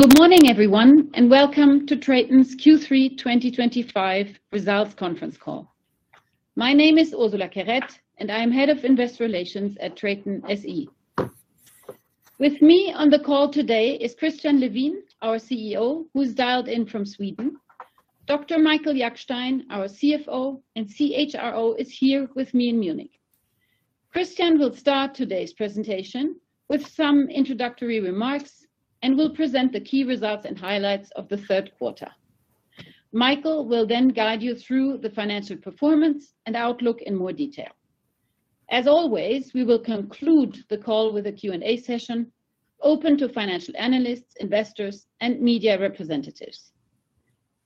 Good morning everyone and welcome to TRATON's Q3 2025 results conference call. My name is Ursula Kroeber-Riel and I am Head of Investor Relations at TRATON SE. With me on the call today is Christian Levin, our CEO who's dialed in from Sweden. Dr. Michael Jackstein, our CFO and CHRO, is here with me in Munich. Christian will start today's presentation with some introductory remarks and will present the key results and highlights of the third quarter. Michael will then guide you through the financial performance and outlook in more detail. As always, we will conclude the call with a Q&A session open to financial analysts, investors, and media representatives.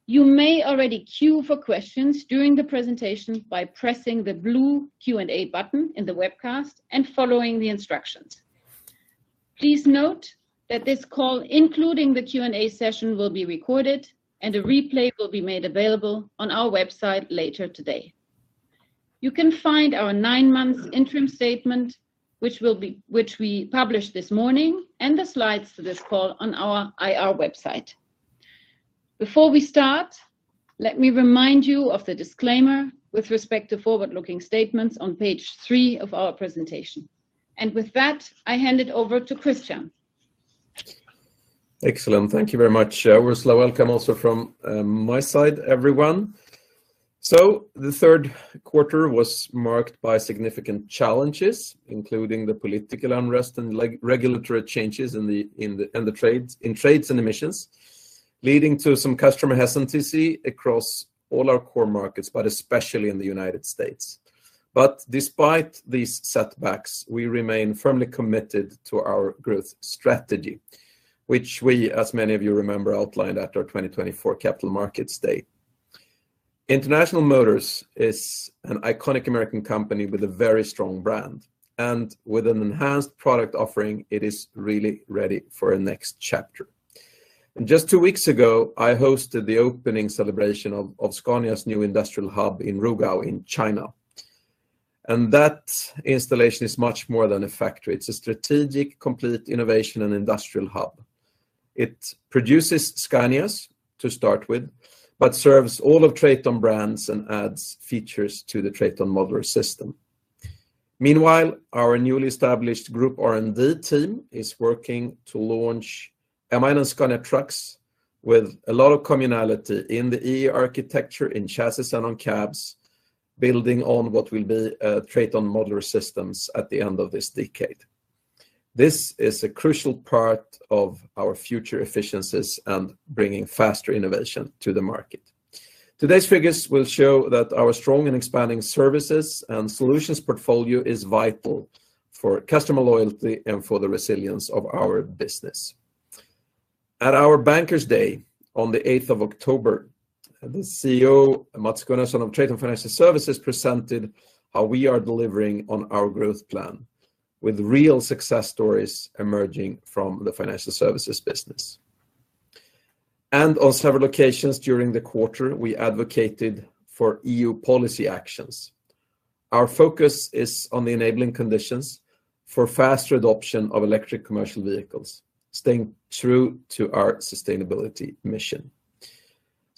You may already queue for questions during the presentation by pressing the blue Q&A button in the webcast and following the instructions. Please note that this call, including the Q&A session, will be recorded and a replay will be made available on our website later today. You can find our nine months interim statement, which we published this morning, and the slides to this call on our IR website. Before we start, let me remind you of the disclaimer with respect to forward-looking statements on page three of our presentation and with that I hand it over to Christian. Excellent. Thank you very much, Ursula. Welcome also from my side, everyone. The third quarter was marked by significant challenges, including the political unrest and regulatory changes in trade and emissions, leading to some customer hesitancy across all our core markets, but especially in the United States. Despite these setbacks, we remain firmly committed to our growth strategy, which we, as many of you remember, outlined at our 2024 Capital Markets Day. International is an iconic American company with a very strong brand and with an enhanced product offering. It is really ready for the next chapter. Just two weeks ago, I hosted the opening celebration of Scania's new industrial hub in Rugao, China. That installation is much more than a factory. It's a strategic, complete innovation and industrial hub. It produces Scania trucks to start with, but serves all of TRATON brands and adds features to the TRATON Modular System. Meanwhile, our newly established centralized Group R&D organization is working towards launching MAN’s connected trucks with a lot of communality in the EE architecture, in chassis, and on cabs, building on what will be TRATON Modular Systems at the end of this decade. This is a crucial part of our future efficiencies and bringing faster innovation to the market. Today's figures will show that our strong and expanding services and solutions portfolio is vital for customer loyalty and for the resilience of our business. At our Bankers Day on October 8th, the CEO Matsuko Nesson of TRATON Financial Services presented how we are delivering on our growth plan, with real success stories emerging from the financial services business. On several occasions during the quarter, we advocated for EU policy actions. Our focus is on the enabling conditions for faster adoption of electric commercial vehicles, staying true to our sustainability mission.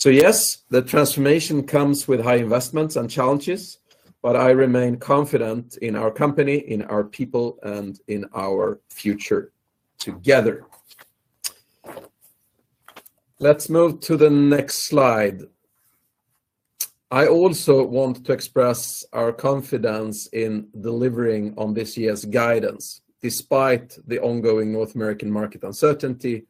Yes, the transformation comes with high investments and challenges, but I remain confident in our company, in our people, and in our future together. Let's move to the next slide. I also want to express our confidence in delivering on this year's guidance despite the ongoing North American market uncertainty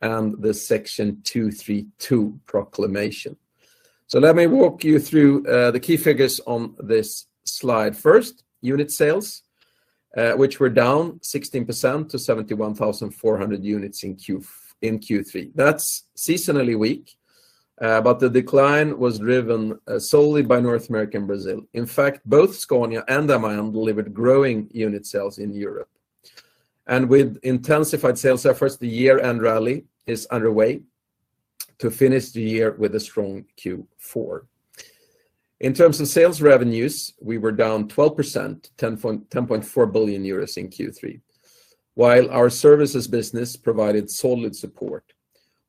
and the Section 232 proclamation. Let me walk you through the key figures on this slide. First, unit sales were down 16% to 71,400 units in Q3. That's seasonally weak, but the decline was driven solely by North America and Brazil. In fact, both Scania and MAN delivered growing unit sales in Europe and with intensified sales efforts, the year-end rally is underway to finish the year with a strong Q4. In terms of sales revenues, we were down 12% to 10.4 billion euros in Q3, while our services business provided solid support.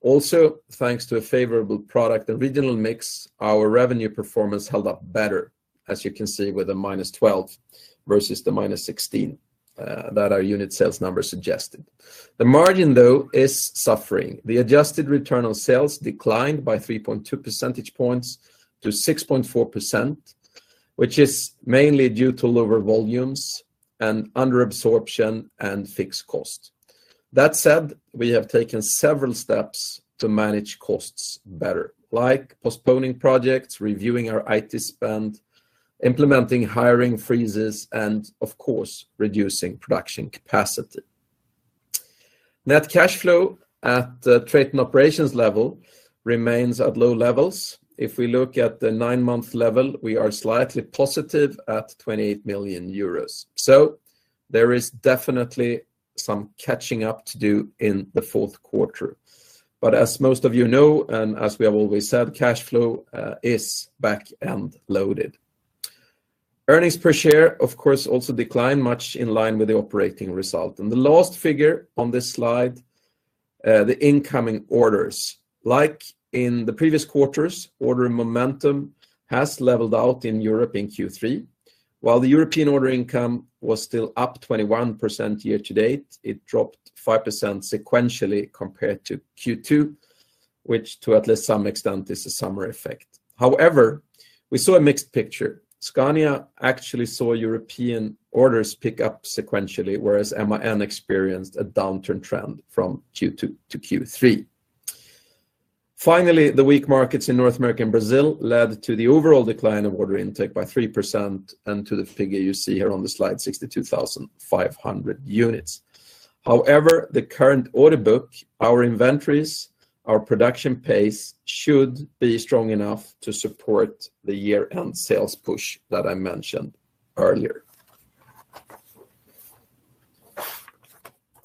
Also, thanks to a favorable product and regional mix, our revenue performance held up better, as you can see with the -12% versus the -16% that our unit sales number suggested. The margin, though, is suffering. The adjusted return on sales declined by 3.2 percentage points to 6.4%, which is mainly due to lower volumes and under-absorption in fixed cost. That said, we have taken several steps to manage costs better, like postponing projects, reviewing our IT spend, implementing hiring freezes, and of course reducing production capacity. Net cash flow at trade and operations level remains at low levels. If we look at the nine-month level, we are slightly positive at 28 million euros, so there is definitely some catching up to do in the fourth quarter. As most of you know and as we have always said, cash flow is back-end loaded. Earnings per share, of course, also declined much in line with the operating result and the last figure on this slide. The incoming orders, like in the previous quarters, ordering momentum has leveled out in Europe. In Q3, while the European order income was still up 21% year-to-date, it dropped 5% sequentially compared to Q2, which to at least some extent is a summary effect. However, we saw a mixed picture. Scania actually saw European orders pick up sequentially, whereas MAN experienced a downturn trend due to Q3. Finally, the weak markets in North America and Brazil led to the overall decline of order intake by 3% and to the figure you see here on the slide, 62,500 units. However, the current order book, our inventories, and our production pace should be strong enough to support the year-end sales push that I mentioned earlier.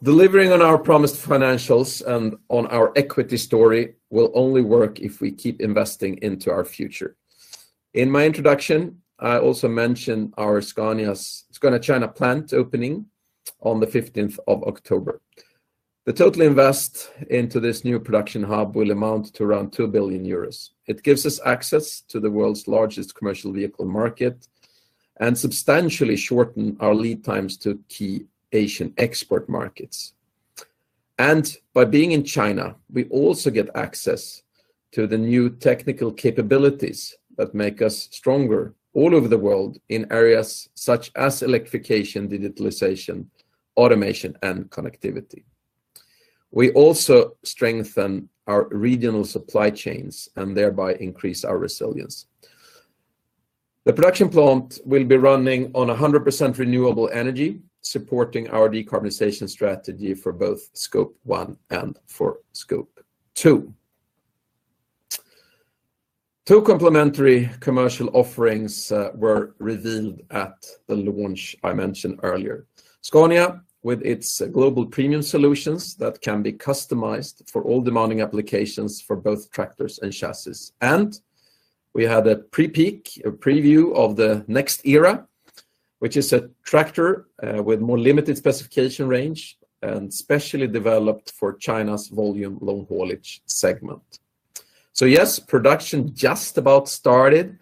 Delivering on our promised financials and on our equity story will only work if we keep investing into our future. In my introduction, I also mentioned our Scania China plant opening on the 15th of October. The total investment into this new production hub will amount to around 2 billion euros. It gives us access to the world's largest commercial vehicle market and substantially shortens our lead times to key Asian export markets. By being in China, we also get access to the new technical capabilities that make us stronger all over the world in areas such as electrification, digitalization, automation, and connectivity. We also strengthen our regional supply chains and thereby increase our resilience. The production plant will be running on 100% renewable energy, supporting our decarbonization strategy for both scope one and for scope two. Two complementary commercial offerings were revealed at the launch. I mentioned earlier Scania with its global premium solutions that can be customized for all demanding applications for both tractors and chassis, and we had a preview of the next era, which is a tractor with a more limited specification range and specially developed for China's volume long haulage segment. Production just about started,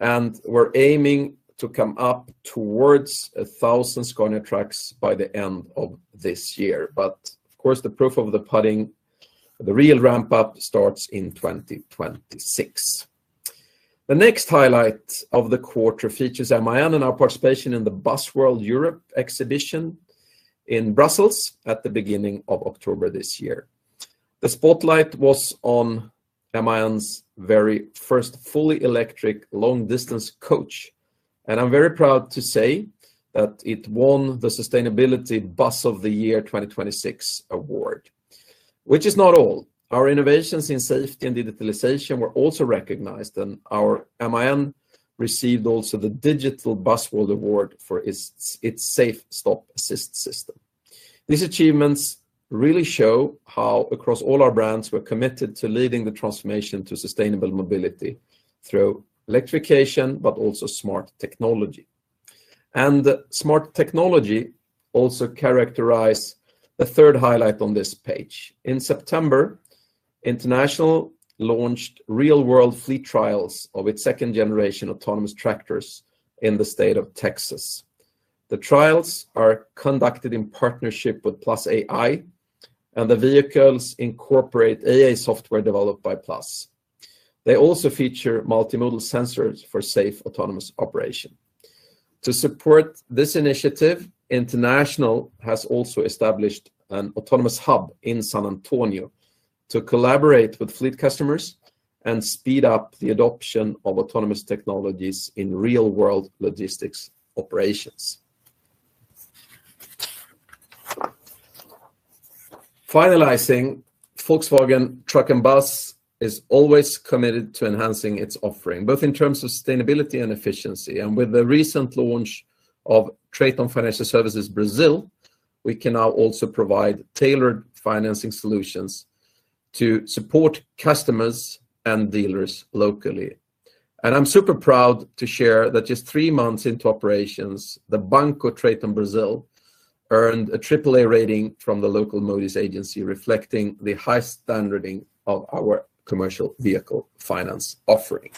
and we're aiming to come up towards 1,000 Scania trucks by the end of this year. Of course, the proof of the pudding, the real ramp-up, starts in 2026. The next highlight of the quarter features MAN and our participation in the Bus World Europe Exhibition in Brussels at the beginning of October. This year, the spotlight was on MAN’s very first fully electric long-distance coach, and I'm very proud to say that it won the Sustainability Bus of the Year 2026 award, which is not all. Our innovations in safety and digitalization were also recognized, and our MAN received the Digital Bus World award for its Safe Stop Assist system. These achievements really show how, across all our brands, we're committed to leading the transformation to sustainable mobility through electrification. Smart technology also characterizes the third highlight on this page. In September, International launched real-world fleet trials of its second-generation autonomous tractors in the state of Texas. The trials are conducted in partnership with Plus AI, and the vehicles incorporate AI software developed by Plus. They also feature multimodal sensors for safe autonomous operation. To support this initiative, International has also established an autonomous hub in San Antonio to collaborate with fleet customers and speed up the adoption of autonomous technologies in real-world logistics operations. Volkswagen Truck & Bus is always committed to enhancing its offering both in terms of sustainability and efficiency. With the recent launch of TRATON Financial Services Brazil, we can now also provide tailored financing solutions to support customers and dealers locally. I'm super proud to share that just three months into operations, Banco TRATON Brazil earned a AAA rating from the local Moody's agency, reflecting the high standing of our commercial vehicle finance offering.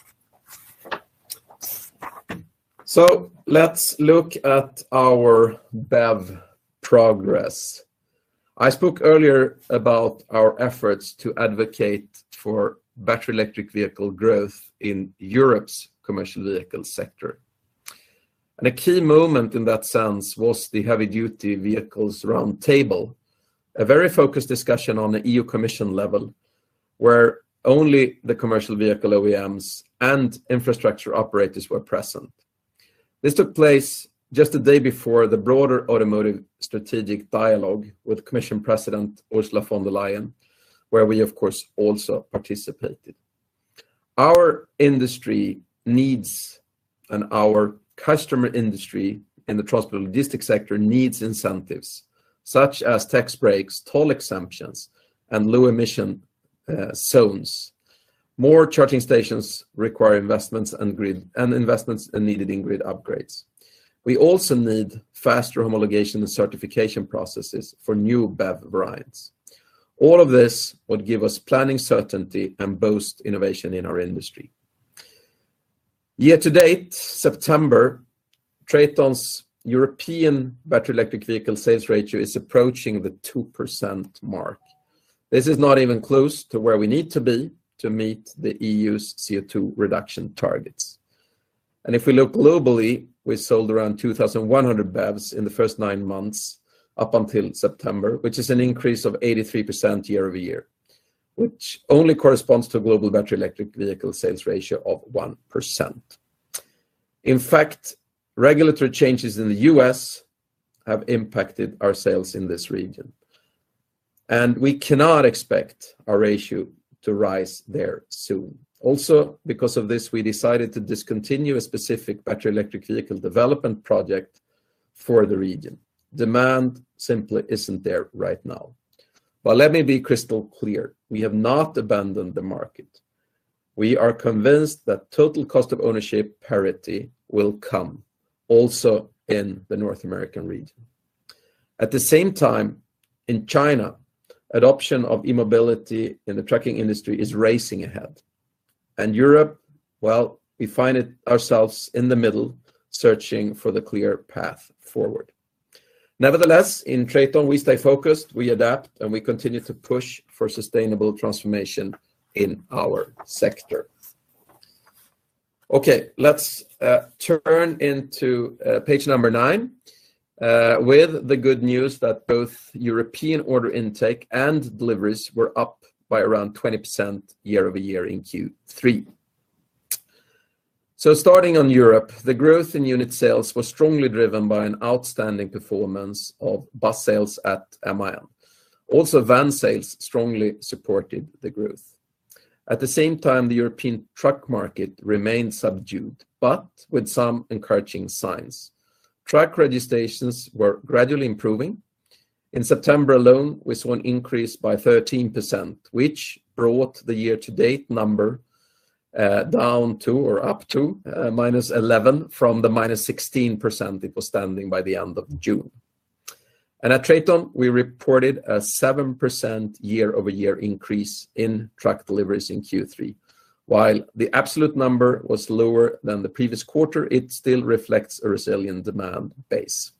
Let's look at our BEV progress. I spoke earlier about our efforts to advocate for battery electric vehicle growth in Europe's commercial vehicle sector, and a key moment in that sense was the Heavy Duty Vehicles Roundtable, a very focused discussion on the EU Commission level where only the commercial vehicle OEMs and infrastructure operators were present. This took place just a day before the broader automotive strategic dialogue with Commission President Ursula von der Leyen, where we of course also participated. Our industry needs and our customer industry in the transport logistics sector needs incentives such as tax breaks, toll exemptions, and low emission zones. More charging stations require investments and investments are needed in grid upgrades. We also need faster homologation and certification processes for new BEV variants. All of this would give us planning certainty and boost innovation in our industry. Year-to-date September, TRATON's European battery electric vehicle sales ratio is approaching the 2% mark. This is not even close to where we need to be to meet the EU's CO2 reduction targets. If we look globally, we sold around 2,100 BEVs in the first nine months up until September, which is an increase of 83% year-over-year, which only corresponds to a global battery electric vehicle sales ratio of 1%. In fact, regulatory changes in the U.S. have impacted our sales in this region and we cannot expect our ratio to rise there soon. Also because of this, we decided to discontinue a specific battery electric vehicle development project for the region. Demand simply isn't there right now. Let me be crystal clear, we have not abandoned the market. We are convinced that total cost of ownership parity will come also in the North American region. At the same time in China, adoption of e-mobility in the trucking industry is racing ahead. In Europe, we find ourselves in the middle searching for the clear path forward. Nevertheless, in TRATON we stay focused, we adapt, and we continue to push further sustainable transformation in our sector. Okay, let's turn to page number nine with the good news that both European order intake and deliveries were up by around 20% year-over-year in Q3. Starting on Europe, the growth in unit sales was strongly driven by an outstanding performance of the bus sales at MAN. Also, van sales strongly supported the growth. At the same time, the European truck market remained subdued, with some encouraging signs. Truck registrations were gradually improving. In September alone, we saw an increase by 13%, which brought the year-to-date number up to -11% from the -16% it was standing at by the end of June. At TRATON, we reported a 7% year-over-year increase in truck deliveries in Q3. While the absolute number was lower than the previous quarter, it still reflects a resilient demand base.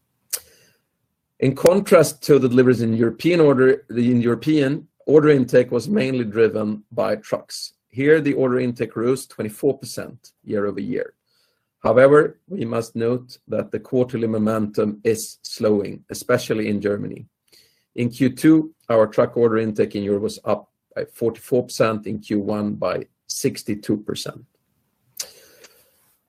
In contrast to the deliveries, the European order intake was mainly driven by trucks. Here, the order intake rose 24% year-over-year. However, we must note that the quarterly momentum is slowing, especially in Germany. In Q2, our truck order intake in Europe was up 44%, in Q1 by 62%.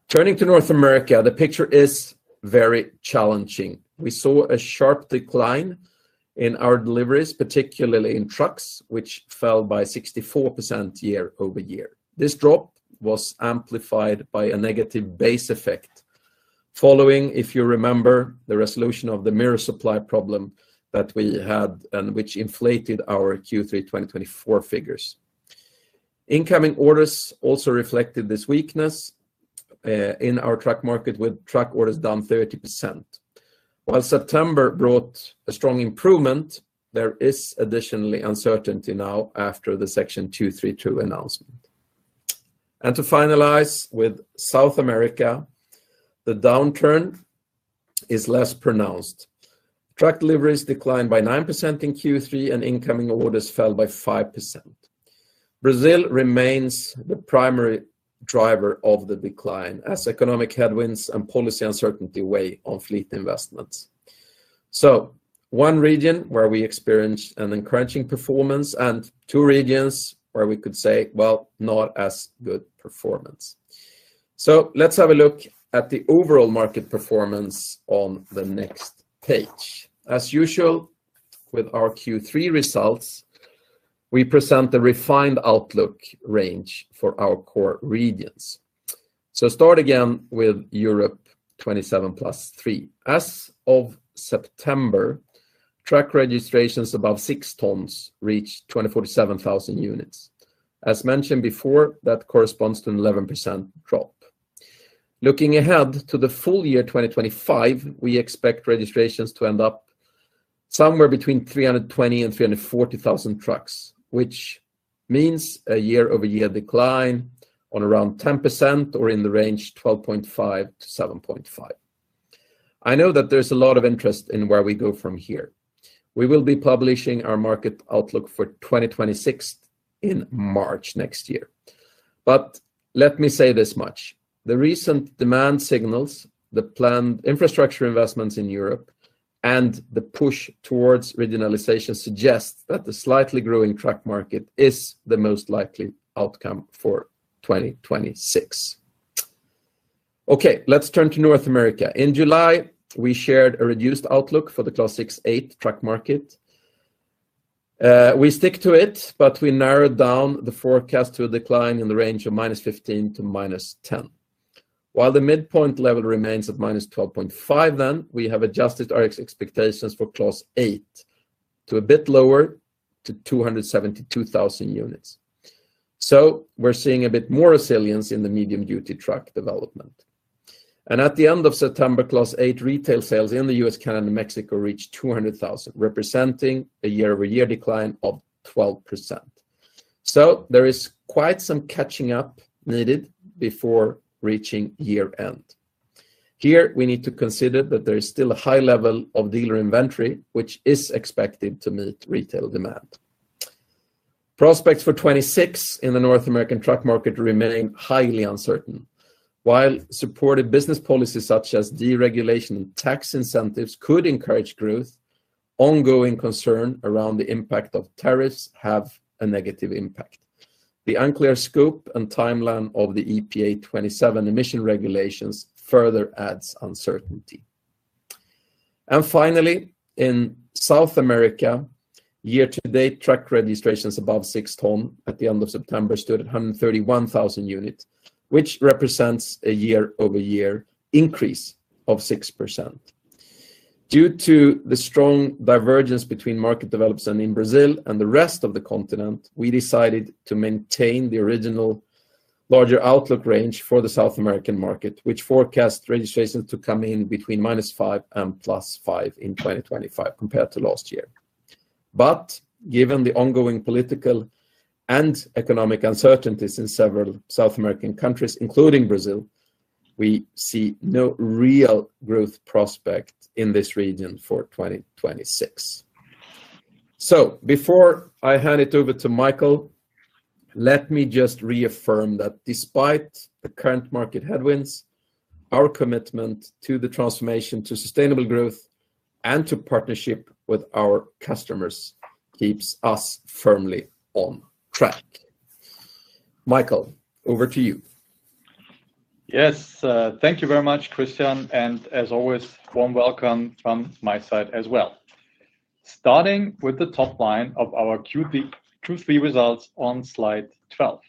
Turning to North America, the picture is very challenging. We saw a sharp decline in our deliveries, particularly in trucks, which fell by 64% year-over-year. This drop was amplified by a negative base effect following, if you remember, the resolution of the mirror supply problem that we had, which inflated our Q3 2024 figures. Incoming orders also reflected this weakness in our truck market, with truck orders down 30%, while September brought a strong improvement. There is additional uncertainty now after the Section 232 announcement. To finalize with South America, the downturn is less pronounced. Truck deliveries declined by 9% in Q3 and incoming orders fell by 5%. Brazil remains the primary driver of the decline as economic headwinds and policy uncertainty weigh on fleet investments. One region where we experience an encouraging performance and two regions where we could say, not as good performance. Let's have a look at the overall market performance on the next page. As usual with our Q3 results, we present the refined outlook range for our core regions. Start again with Europe. 27 +3. As of September, truck registrations above 6 tonnes reached 247,000 units. As mentioned before, that corresponds to an 11% drop. Looking ahead to the full year 2025, we expect registrations to end up somewhere between 320,000 and 340,000 trucks, which means a year-over-year decline of around 10% or in the range of 12.5%-7.5%. I know that there's a lot of interest in where we go from here. We will be publishing our market outlook for 2026 in March next year. Let me say this much. The recent demand signals, the planned infrastructure investments in Europe, and the push towards regionalization suggest that a slightly growing truck market is the most likely outcome for 2026. Let's turn to North America. In July, we shared a reduced outlook for the Class 8 truck market. We stick to it, but we narrowed down the forecast to a decline in the range of -15% to -10%, while the midpoint level remains at -12.5%. We have adjusted our expectations for Class 8 to a bit lower, to 272,000 units. We're seeing a bit more resilience in the medium-duty truck development. At the end of September, Class 8 retail sales in the U.S., Canada, and Mexico reached 200,000, representing a year-over-year decline of 12%. There is quite some catching up needed before reaching year end. Here, we need to consider that there is still a high level of dealer inventory, which is expected to meet retail demand. Prospects for 2026 in the North American truck market remain highly uncertain. Supportive business policies such as deregulation and tax incentives could encourage growth. Ongoing concern around the impact of tariffs has a negative impact. The unclear scope and timeline of the EPA 27 emission regulations further adds uncertainty. Finally, in South America, year-to-date truck registrations above 6 tonnes at the end of September stood at 131,000 units, which represents a year-over-year increase of 6%. Due to the strong divergence between market development in Brazil and the rest of the continent, we decided to maintain the original larger outlook range for the South American market, which forecasts registrations to come in between -5% and +5% in 2025 compared to last year. Given the ongoing political and economic uncertainties in several South American countries, including Brazil, we see no real growth prospect in this region for 2026. Before I hand it over to Michael, let me just reaffirm that despite the current market headwinds, our commitment to the transformation to sustainable growth and to partnership with our customers keeps us firmly on track. Michael, over to you. Yes, thank you very much Christian, and as always, warm welcome from my side as well. Starting with the top line of our Q3 results on Slide 12.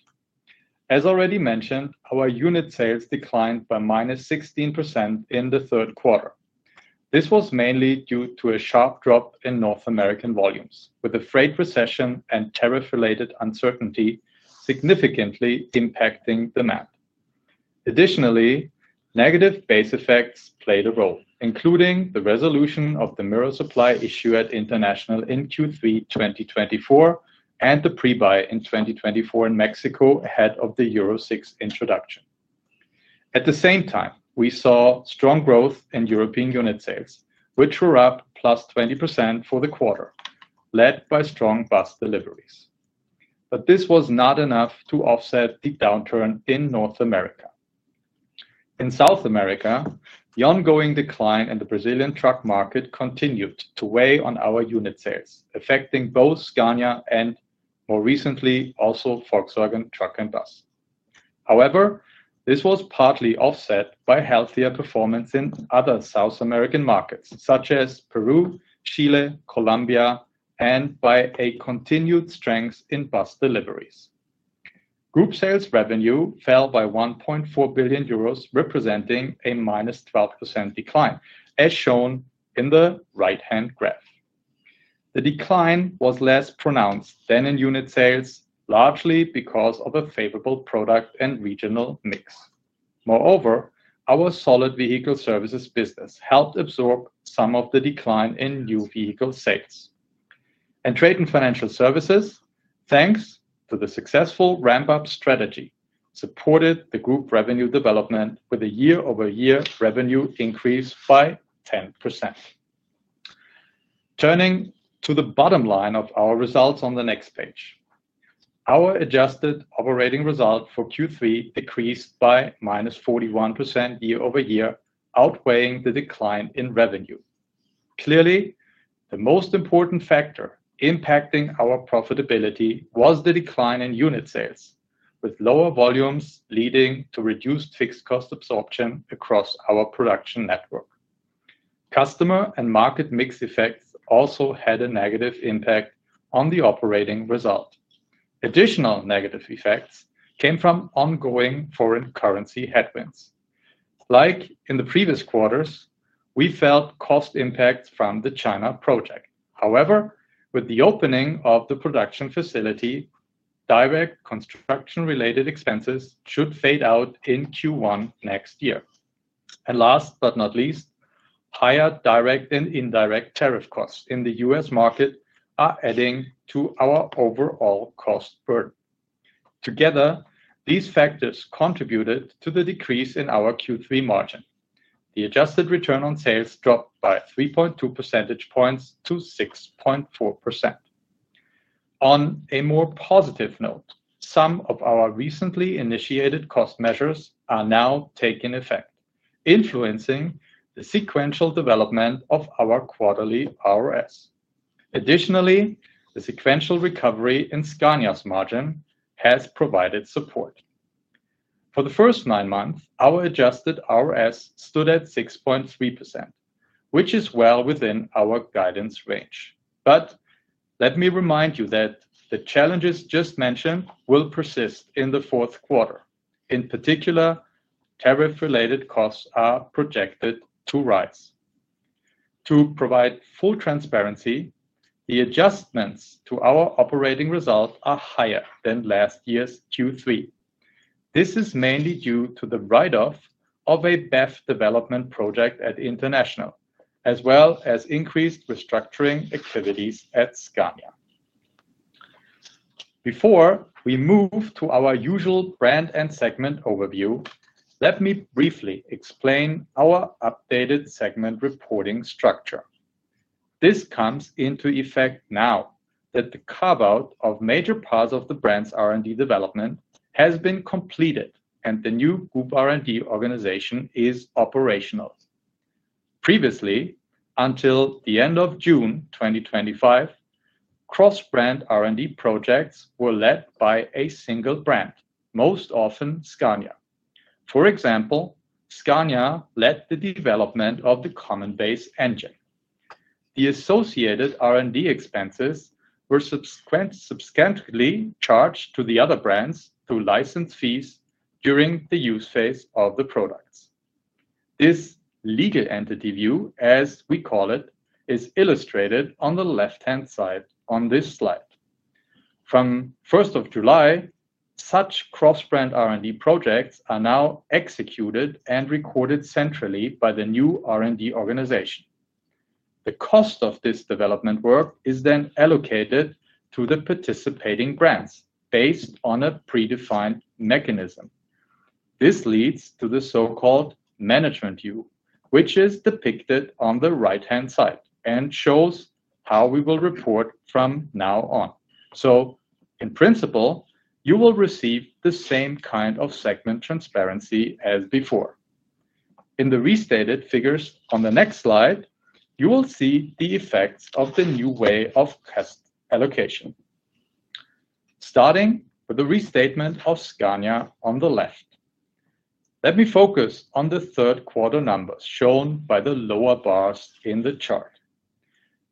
As already mentioned, our unit sales declined by -16% in the third quarter. This was mainly due to a sharp drop in North American volumes, with the freight recession and tariff-related uncertainty significantly impacting demand. Additionally, negative base effects played a role, including the resolution of the mirror supply issue at International in Q3 2024 and the Pre Buy in 2024 in Mexico ahead of the Euro 6 introduction. At the same time, we saw strong growth in European unit sales, which were up +20% for the quarter, led by strong bus deliveries. This was not enough to offset the downturn in North America. In South America, the ongoing decline in the Brazilian truck market continued to weigh on our unit sales, affecting both Scania and more recently also Volkswagen Truck & Bus. However, this was partly offset by healthier performance in other South American markets such as Peru, Chile, Colombia, and by a continued strength in bus deliveries. Group sales revenue fell by 1.4 billion euros, representing a -12% decline. As shown in the right-hand graph, the decline was less pronounced than in unit sales, largely because of a favorable product and regional mix. Moreover, our solid vehicle services business helped absorb some of the decline in new vehicle sales, and trade and financial services, thanks to the successful ramp-up strategy, supported the group revenue development with a year-over-year revenue increase by 10%. Turning to the bottom line of our results on the next page, our adjusted operating result for Q3 decreased by -41% year-over-year, outweighing the decline in revenue. Clearly, the most important factor impacting our profitability was the decline in unit sales, with lower volumes leading to reduced fixed cost absorption across our production network. Customer and market mix effects also had a negative impact on the operating result. Additional negative effects came from ongoing foreign currency headwinds. Like in the previous quarters, we felt cost impacts from the China project. However, with the opening of the production facility, direct construction-related expenses should fade out in Q1 next year. Last but not least, higher direct and indirect tariff costs in the U.S. market are adding to our overall cost. Together, these factors contributed to the decrease in our Q3 margin. The adjusted return on sales dropped by 3.2 percentage points to 6.4%. On a more positive note, some of our recently initiated cost measures are now taking effect, influencing the sequential development of our quarterly RS. Additionally, the sequential recovery in Scania's margin has provided support. For the first nine months, our adjusted RS stood at 6.3%, which is well within our guidance range. Let me remind you that the challenges just mentioned will persist in the fourth quarter. In particular, tariff-related costs are projected to rise. To provide full transparency, the adjustments to our operating result are higher than last year's Q3. This is mainly due to the write-off of a BEV development project at International as well as increased restructuring activities at Scania. Before we move to our usual brand and segment overview, let me briefly explain our updated segment reporting structure. This comes into effect now that the carve-out of major parts of the brand's R&D development has been completed and the new centralized Group R&D organization is operational. Previously, until the end of June 2025, cross-brand R&D projects were led by a single brand, most often Scania. For example, Scania led the development of the common base engine. The associated R&D expenses were substantially charged to the other brands through license fees during the use phase of the products. This legal entity view, as we call it, is illustrated on the left-hand side on this slide from 1st of July. Such cross-brand R&D projects are now executed and recorded centrally by the new R&D organization. The cost of this development work is then allocated to the participating brands based on a predefined mechanism. This leads to the so-called Management View, which is depicted on the right-hand side and shows how we will report from now on. In principle, you will receive the same kind of segment transparency as before in the restated figures. On the next slide, you will see the effects of the new way of cost allocation starting with the restatement of Scania on the left. Let me focus on the third quarter numbers shown by the lower bars in the chart.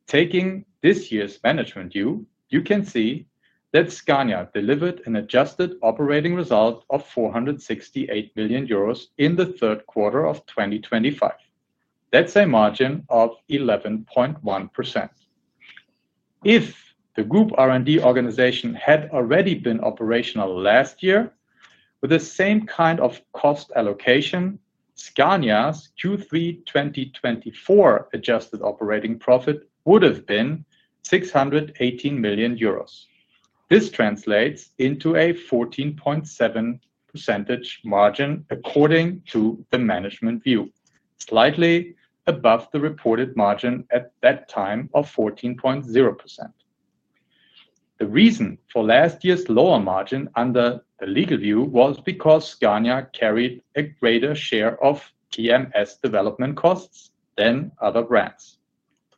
Taking this year's Management View, you can see that Scania delivered an adjusted operating result of 468 million euros in the third quarter of 2025. That's a margin of 11.1%. If the centralized Group R&D organization had already been operational last year with the same kind of cost allocation, Scania's Q3 2024 adjusted operating profit would have been 618 million euros. This translates into a 14.7% margin according to the Management view, slightly above the reported margin at that time of 14.0%. The reason for last year's lower margin under the legal view was because Scania carried a greater share of TRATON Modular System (TMS) development costs than other brands.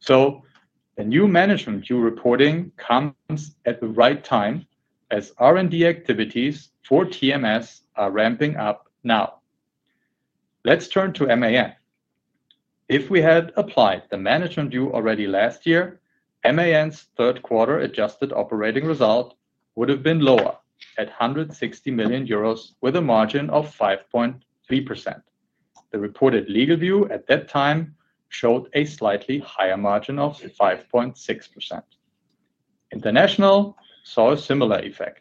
The new Management view reporting comes at the right time as R&D activities for TMS are ramping up. Now let's turn to MAN. If we had applied the Management view already last year, MAN's third quarter adjusted operating result would have been lower at 160 million euros with a margin of 5.3%. The reported legal view at that time showed a slightly higher margin of 5.6%. International saw a similar effect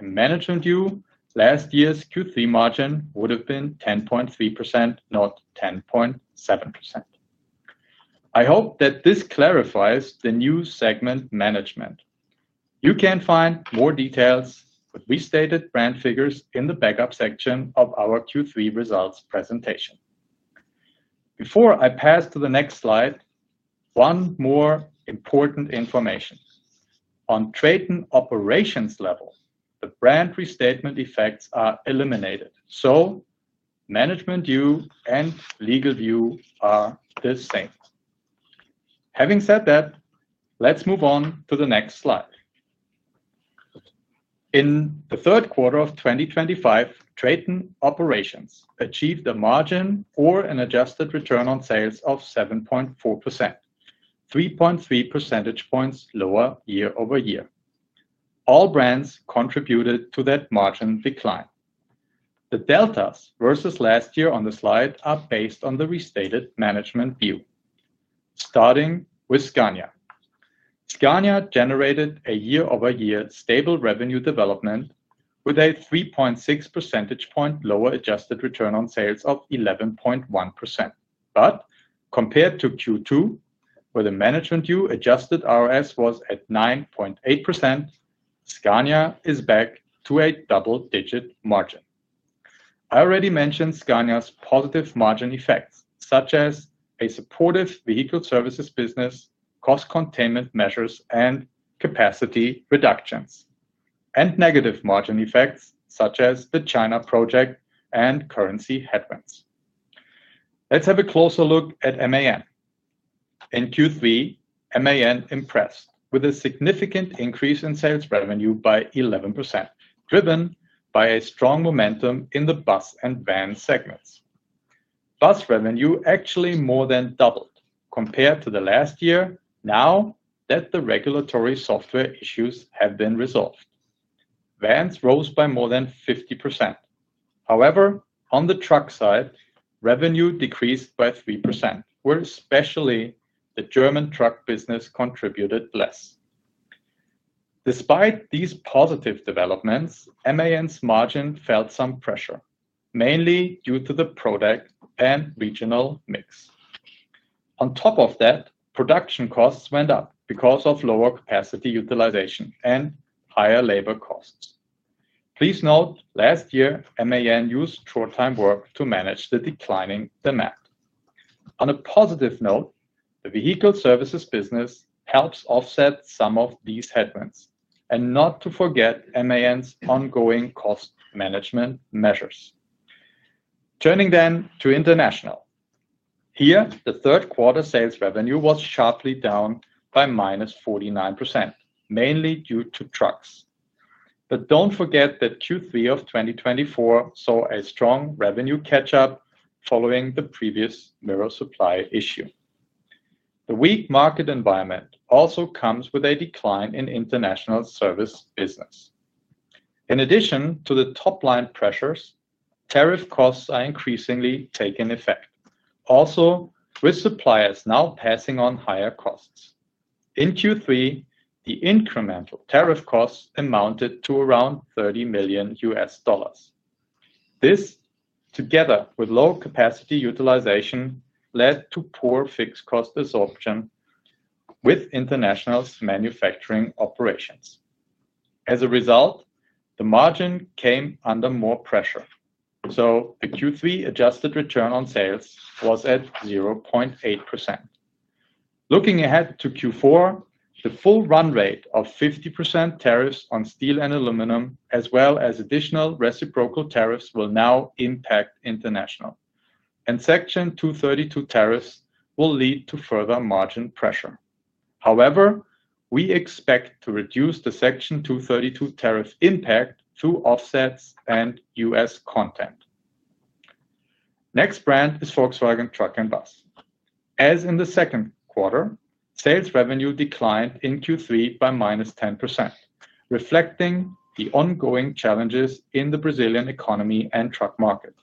in Management view. Last year's Q3 margin would have been 10.3%, not 10.7%. I hope that this clarifies the new segment management. You can find more details with restated brand figures in the backup section of our Q3 results presentation. Before I pass to the next slide, one more important information on TRATON Operations level. The brand restatement effects are eliminated so Management view and legal view are the same. Having said that, let's move on to the next slide. In the third quarter of 2025, TRATON Operations achieved a margin or an adjusted return on sales of 7.4%, 3.3 percentage points lower year-over-year. All brands contributed to that margin decline. The deltas versus last year on the slide are based on the restated Management view. Starting with Scania, Scania generated a year-over-year stable revenue development with a 3.6 percentage point lower adjusted return on sales of 11.1%. Compared to Q2 where the Management view adjusted ROS was at 9.8%, Scania is back to a double-digit margin. I already mentioned Scania's positive margin effects such as a supportive vehicle services business, cost containment measures and capacity reductions, and negative margin effects such as the China Project and currency headwinds. Let's have a closer look at MAN. In Q3, MAN impressed with a significant increase in sales revenue by 11% driven by a strong momentum in the bus and van segments. Bus revenue actually more than doubled compared to last year. Now that the regulatory software issues have been resolved, vans rose by more than 50%. However, on the truck side, revenue decreased by 3% where especially the German truck business contributed less. Despite these positive developments, MAN's margin felt some pressure mainly due to the product and regional mix. On top of that, production costs went up because of lower capacity utilization and higher labor costs. Please note, last year MAN used short time work to manage the declining demand. On a positive note, the vehicle services business helps offset some of these headwinds and not to forget MAN's ongoing cost management measures. Turning then to International, here the third quarter sales revenue was sharply down by -49% mainly due to trucks. Don't forget that Q3 of 2024 saw a strong revenue catch up following the previous mirror supply issue. The weak market environment also comes with a decline in International service business. In addition to the top line pressures, tariff costs are increasingly taking effect, also with suppliers now passing on higher costs. In Q3, the incremental tariff costs amounted to around $30 million. This together with low capacity utilization led to poor fixed cost absorption with International's manufacturing operations. As a result, the margin came under more pressure so the Q3 adjusted return on sales was at 0.8%. Looking ahead to Q4, the full run rate of 50% tariffs on steel and aluminum as well as additional reciprocal tariffs will now impact International and Section 232 tariffs will lead to further margin pressure. However, we expect to reduce the Section 232 tariff impact through offsets and U.S. content. Next brand is Volkswagen Truck & Bus. As in the second quarter, sales revenue declined in Q3 by -10% reflecting the ongoing challenges in the Brazilian economy and truck market.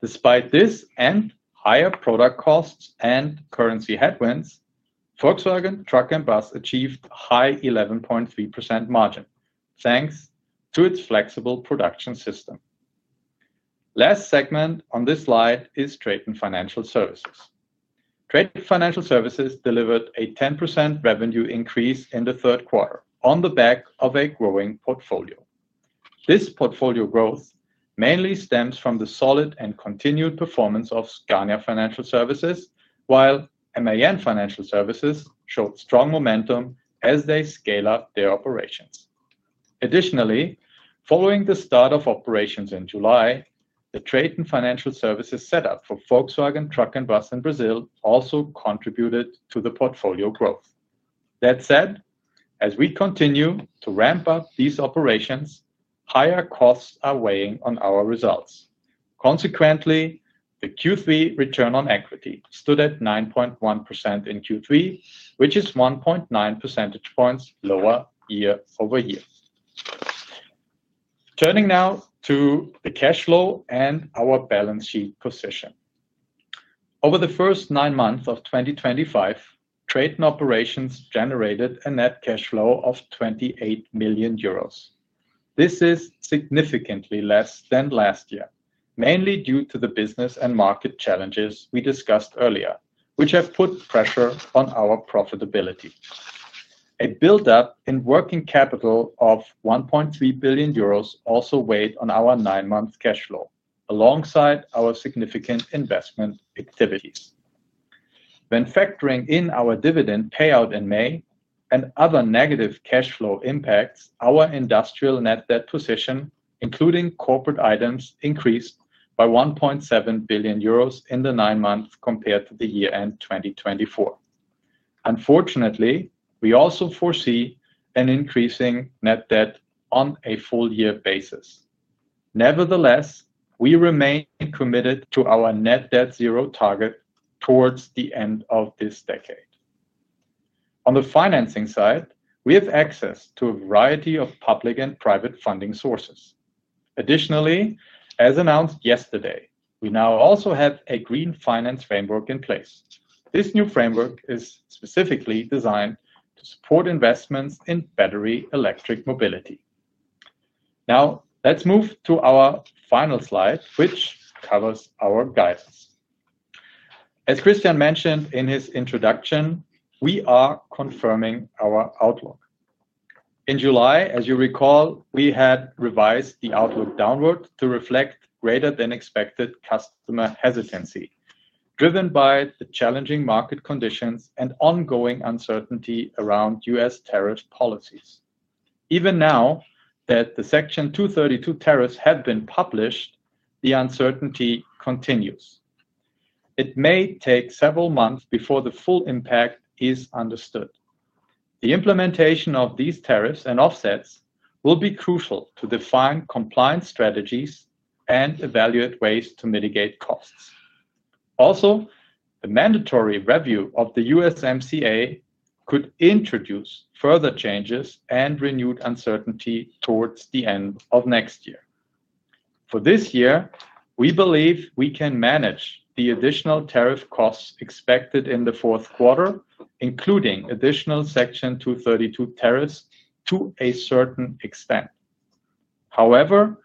Despite this and higher product costs and currency headwinds, Volkswagen Truck & Bus achieved high 11.3% margin thanks to its flexible production system. Last segment on this slide is TRATON Financial Services. TRATON Financial Services delivered a 10% revenue increase in the third quarter on the back of a growing portfolio. This portfolio growth mainly stems from the solid and continued performance of Scania Financial Services, while MAN Financial Services showed strong momentum as they scale up their operations. Additionally, following the start of operations in July, the TRATON Financial Services setup for Volkswagen Truck & Bus in Brazil also contributed to the portfolio growth. That said, as we continue to ramp up these operations, higher costs are weighing on our results. Consequently, the Q3 return on equity stood at 9.1% in Q3, which is 1.9 percentage points lower year-over-year. Turning now to the cash flow and our balance sheet position, over the first nine months of 2025, trade and operations generated a net cash flow of 28 million euros. This is significantly less than last year, mainly due to the business and market challenges we discussed earlier which have put pressure on our profitability. A build up in working capital of 1.3 billion euros also weighed on our nine month cash flow alongside our significant investment activities. When factoring in our dividend payout in May and other negative cash flow impacts, our industrial net debt position, including corporate items, increased by 1.7 billion euros in the nine months compared to the year end 2024. Unfortunately, we also foresee an increasing net debt on a full year basis. Nevertheless, we remain committed to our net debt zero target towards the end of this decade. On the financing side, we have access to a variety of public and private funding sources. Additionally, as announced yesterday, we now also have a green finance framework in place. This new framework is specifically designed to support investments in battery electric mobility. Now let's move to our final slide which covers our guidance. As Christian mentioned in his introduction, we are confirming our outlook in July. As you recall, we had revised the outlook downward to reflect greater than expected customer hesitancy driven by the challenging market conditions and ongoing uncertainty around U.S. tariff policies. Even now that the Section 232 tariffs have been published, the uncertainty continues, it may take several months before the full impact is understood. The implementation of these tariffs and offsets will be crucial to define compliance strategies and evaluate ways to mitigate costs. Also, the mandatory review of the USMCA could introduce further changes and renewed uncertainty towards the end of next year. For this year, we believe we can manage the additional tariff costs expected in the fourth quarter, including additional Section 232 tariffs. To a certain extent, however,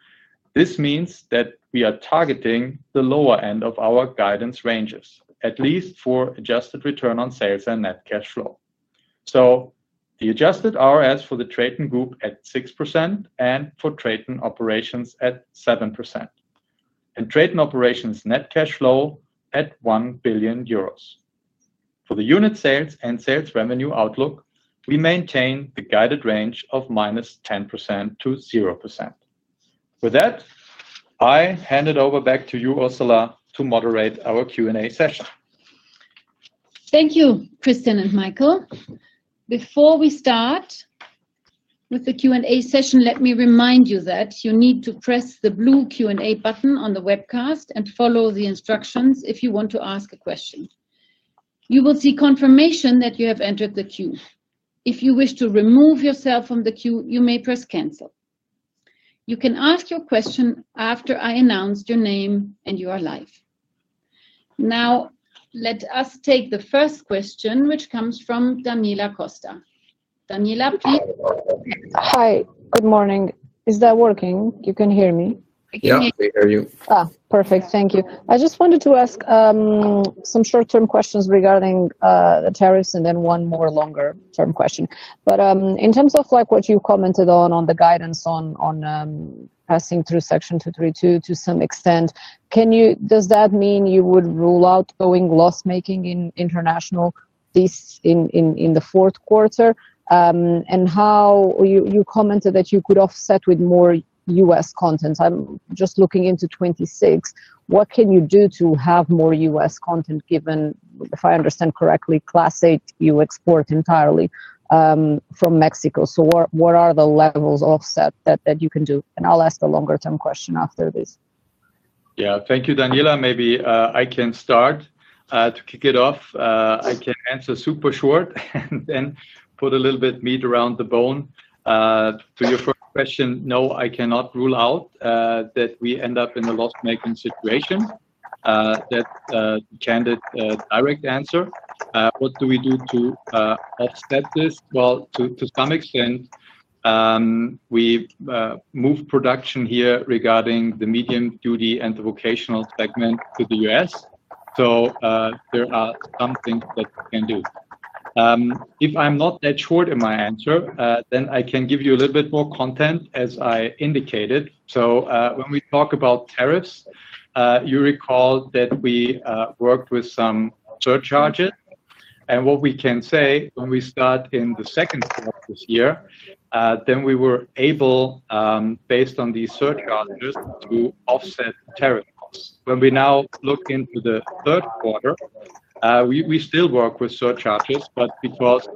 this means that we are targeting the lower end of our guidance ranges at least for adjusted return on sales and net cash flow. The adjusted return on sales for the TRATON Group at 6% and for TRATON operations at 7%, and TRATON operations net cash flow at 1 billion euros. For the unit sales and sales revenue outlook, we maintain the guided range of -10% to 0%. With that, I hand it over back to you, Ursula, to moderate our Q&A session. Thank you, Christian and Michael. Before we start with the Q&A session, let me remind you that you need to press the blue Q&A button on the webcast and follow the instructions if you want to ask a question. You will see confirmation that you have entered the queue. If you wish to remove yourself from the queue, you may press cancel. You can ask your question after I announce your name and you are live. Now let us take the first question, which comes from Daniela Costa. Daniela, please. Hi, good morning. Is that working? You can hear me? Yeah, we hear you. Perfect, thank you. I just wanted to ask some short term questions regarding the tariffs and then one more longer term question. In terms of what you commented on the guidance on passing through Section 232 to some extent, can you. Does that mean you would rule out going loss making in International this in the fourth quarter and how you commented that you could offset with more U.S. content? I'm just looking into 2026. What can you do to have more U.S. content given, if I understand correctly, Class 8, you export entirely from Mexico. What are the levels offset that you can do? I'll ask the longer term question after this. Yeah, thank you Daniela. Maybe I can start to kick it off. I can answer super short and put a little bit meat around the bone to your first question. No, I cannot rule out that we end up in a loss making situation. That candid direct answer. What do we do to offset this? To some extent we move production here regarding the medium duty and the vocational segment to the U.S. There are some things that can. If I'm not that short in my answer, then I can give you a little bit more content as I indicated. When we talk about tariffs, you recall that we worked with some surcharges and what we can say when we start in the second quarter this year, we were able based on these surcharges to offset tariff costs. When we now look into the third quarter, we still work with surcharges, but because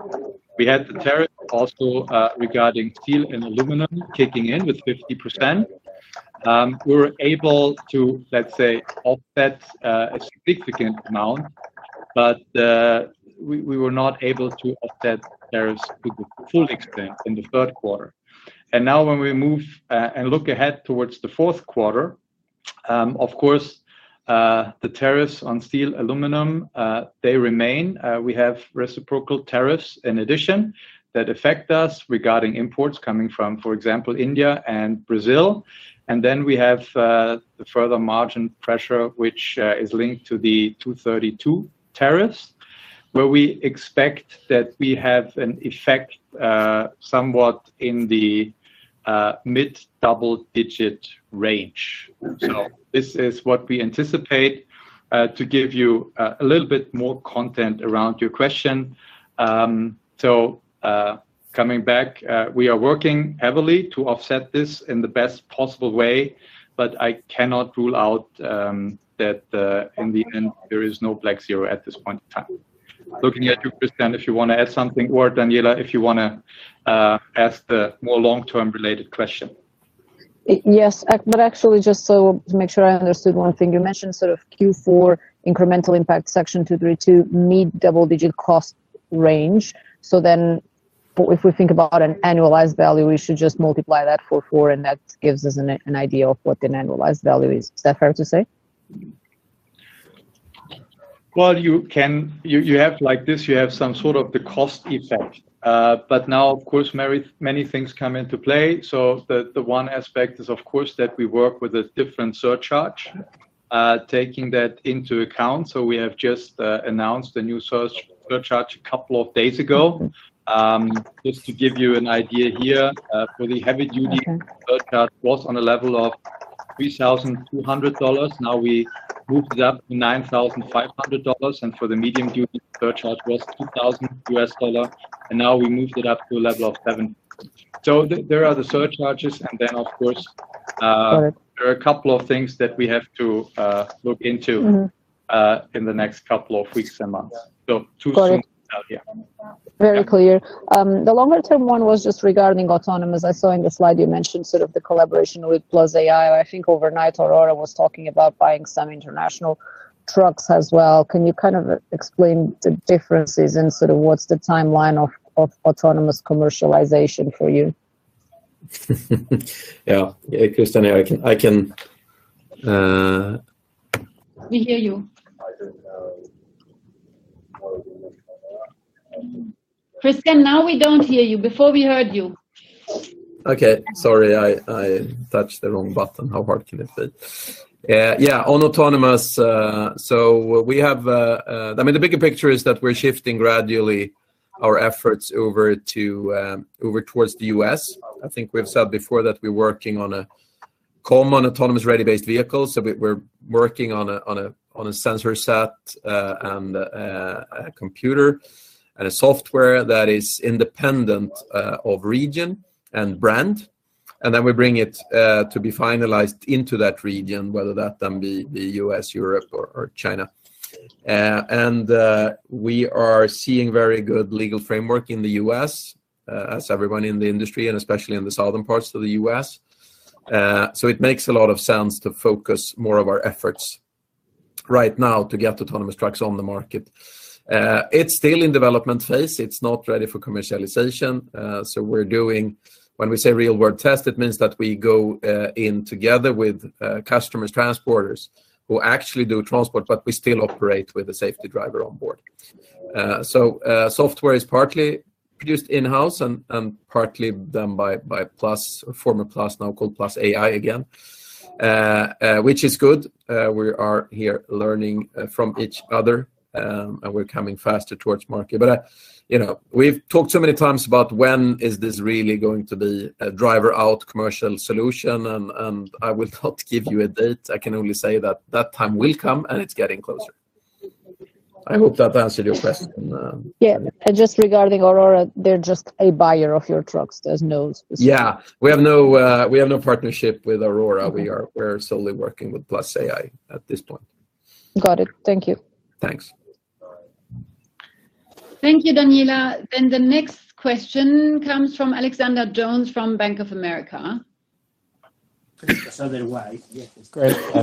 we had the tariff also regarding steel and aluminum kicking in with 50%, we were able to, let's say, offset a significant amount, but we were not able to offset tariffs to the full extent in the third quarter. Now when we move and look ahead towards the fourth quarter, of course the tariffs on steel, aluminum, they remain. We have reciprocal tariffs in addition that affect us regarding imports coming from, for example, India and Brazil. We have the further margin pressure which is linked to the Section 232 tariffs where we expect that we have an effect somewhat in the mid double digit range. This is what we anticipate to give you a little bit more content around your question. Coming back, we are working heavily to offset this in the best possible way. I cannot rule out that in the end there is no black zero at this point in time. Looking at you Christian, if you want to add something or Daniela if you want to as the more long term related question. Yes, just to make sure I understood one thing. You mentioned sort of Q4 incremental impact, Section 232, mid double-digit cost range. If we think about an annualized value, we should just multiply that by four and that gives us an idea of what an annualized value is. Is that fair to say? You have like this, you have some sort of the cost effect. Of course, many things come into play. The one aspect is that we work with a different surcharge taking that into account. We have just announced the new surcharge a couple of days ago. Just to give you an idea here, for the heavy-duty surcharge, it was on a level of $3,200. Now we moved it up to $9,500. For the medium-duty surcharge, it was $2,000 and now we moved it up to a level of $7,000. There are the surcharges and then there are a couple of things that we have to look into in the next couple of weeks and months. Very clear. The longer term one was just regarding autonomous, I saw in the slide you mentioned sort of the collaboration with Plus AI. I think overnight Aurora was talking about buying some International trucks as well. Can you kind of explain the differences and sort of what's the timeline of autonomous commercialization for you? Yeah, Kristian, I. Can. We hear you, Christian. Now we don't hear you. Before, we heard you. Okay, sorry, I touched the wrong button. How hard can it be? Yeah, on autonomous. The bigger picture is that we're shifting gradually our efforts over towards the U.S. I think we've said before that we're working on a common autonomous ready-based vehicle. We're working on a sensor set and a computer and a software that is independent of region and brand, and then we bring it to be finalized into that region, whether that then be the U.S., Europe, or China. We are seeing very good legal framework in the U.S., as everyone in the industry and especially in the southern parts of the U.S. It makes a lot of sense to focus more of our efforts right now to get autonomous trucks on the market. It's still in development phase. It's not ready for commercialization. When we say real world test, it means that we go in together with customers, transporters who actually do transport, but we still operate with a safety driver on board. Software is partly produced in-house and partly done by Plus, former Plus now called Plus AI again, which is good. We are here learning from each other and we're coming faster towards market. We've talked so many times about when is this really going to be a driver-out commercial solution. I will not give you a date. I can only say that that time will come and it's getting closer. I hope that answered your question. Yeah. Just regarding Aurora, they're just a buyer of your trucks. There's no specific. Yeah, we have no partnership with Aurora. We're solely working with Plus AI at this point. Got it. Thank you. Thanks. Thank you, Daniela. The next question comes from Alexander Jones from Bank of America. Great,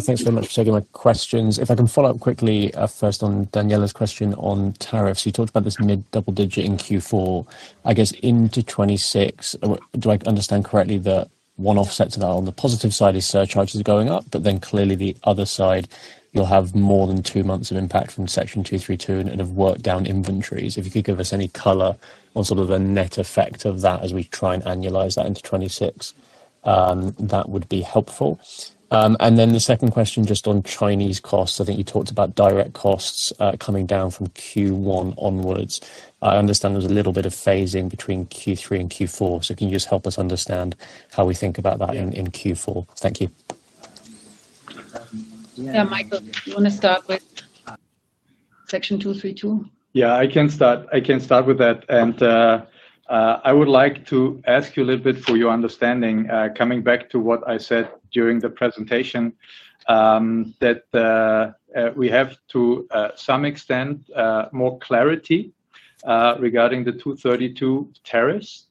thanks very much for taking my questions. If I can follow up quickly. First on Daniela's question on tariffs, you talked about this mid double digit in Q4, I guess into 2026. Do I understand correctly? The one offset to that on the positive side is surcharges going up. Clearly, the other side, you'll. Have more than two months of impact from Section 232 and have worked down inventories. If you could give us any color on sort of the net effect of that as we try and annualize that into 2026, that would be helpful. The second question just on Chinese costs. I think you talked about direct costs. Coming down from Q1 onwards. I understand there's a little bit of phasing between Q3 and Q4. Can you just help us understand how we think about that in Q4? Thank you. Michael, you want to start with Section 232? I can start with that. I would like to ask you a little bit for your understanding, coming back to what I said during the presentation that we have to some extent more clarity regarding the Section 232 tariffs.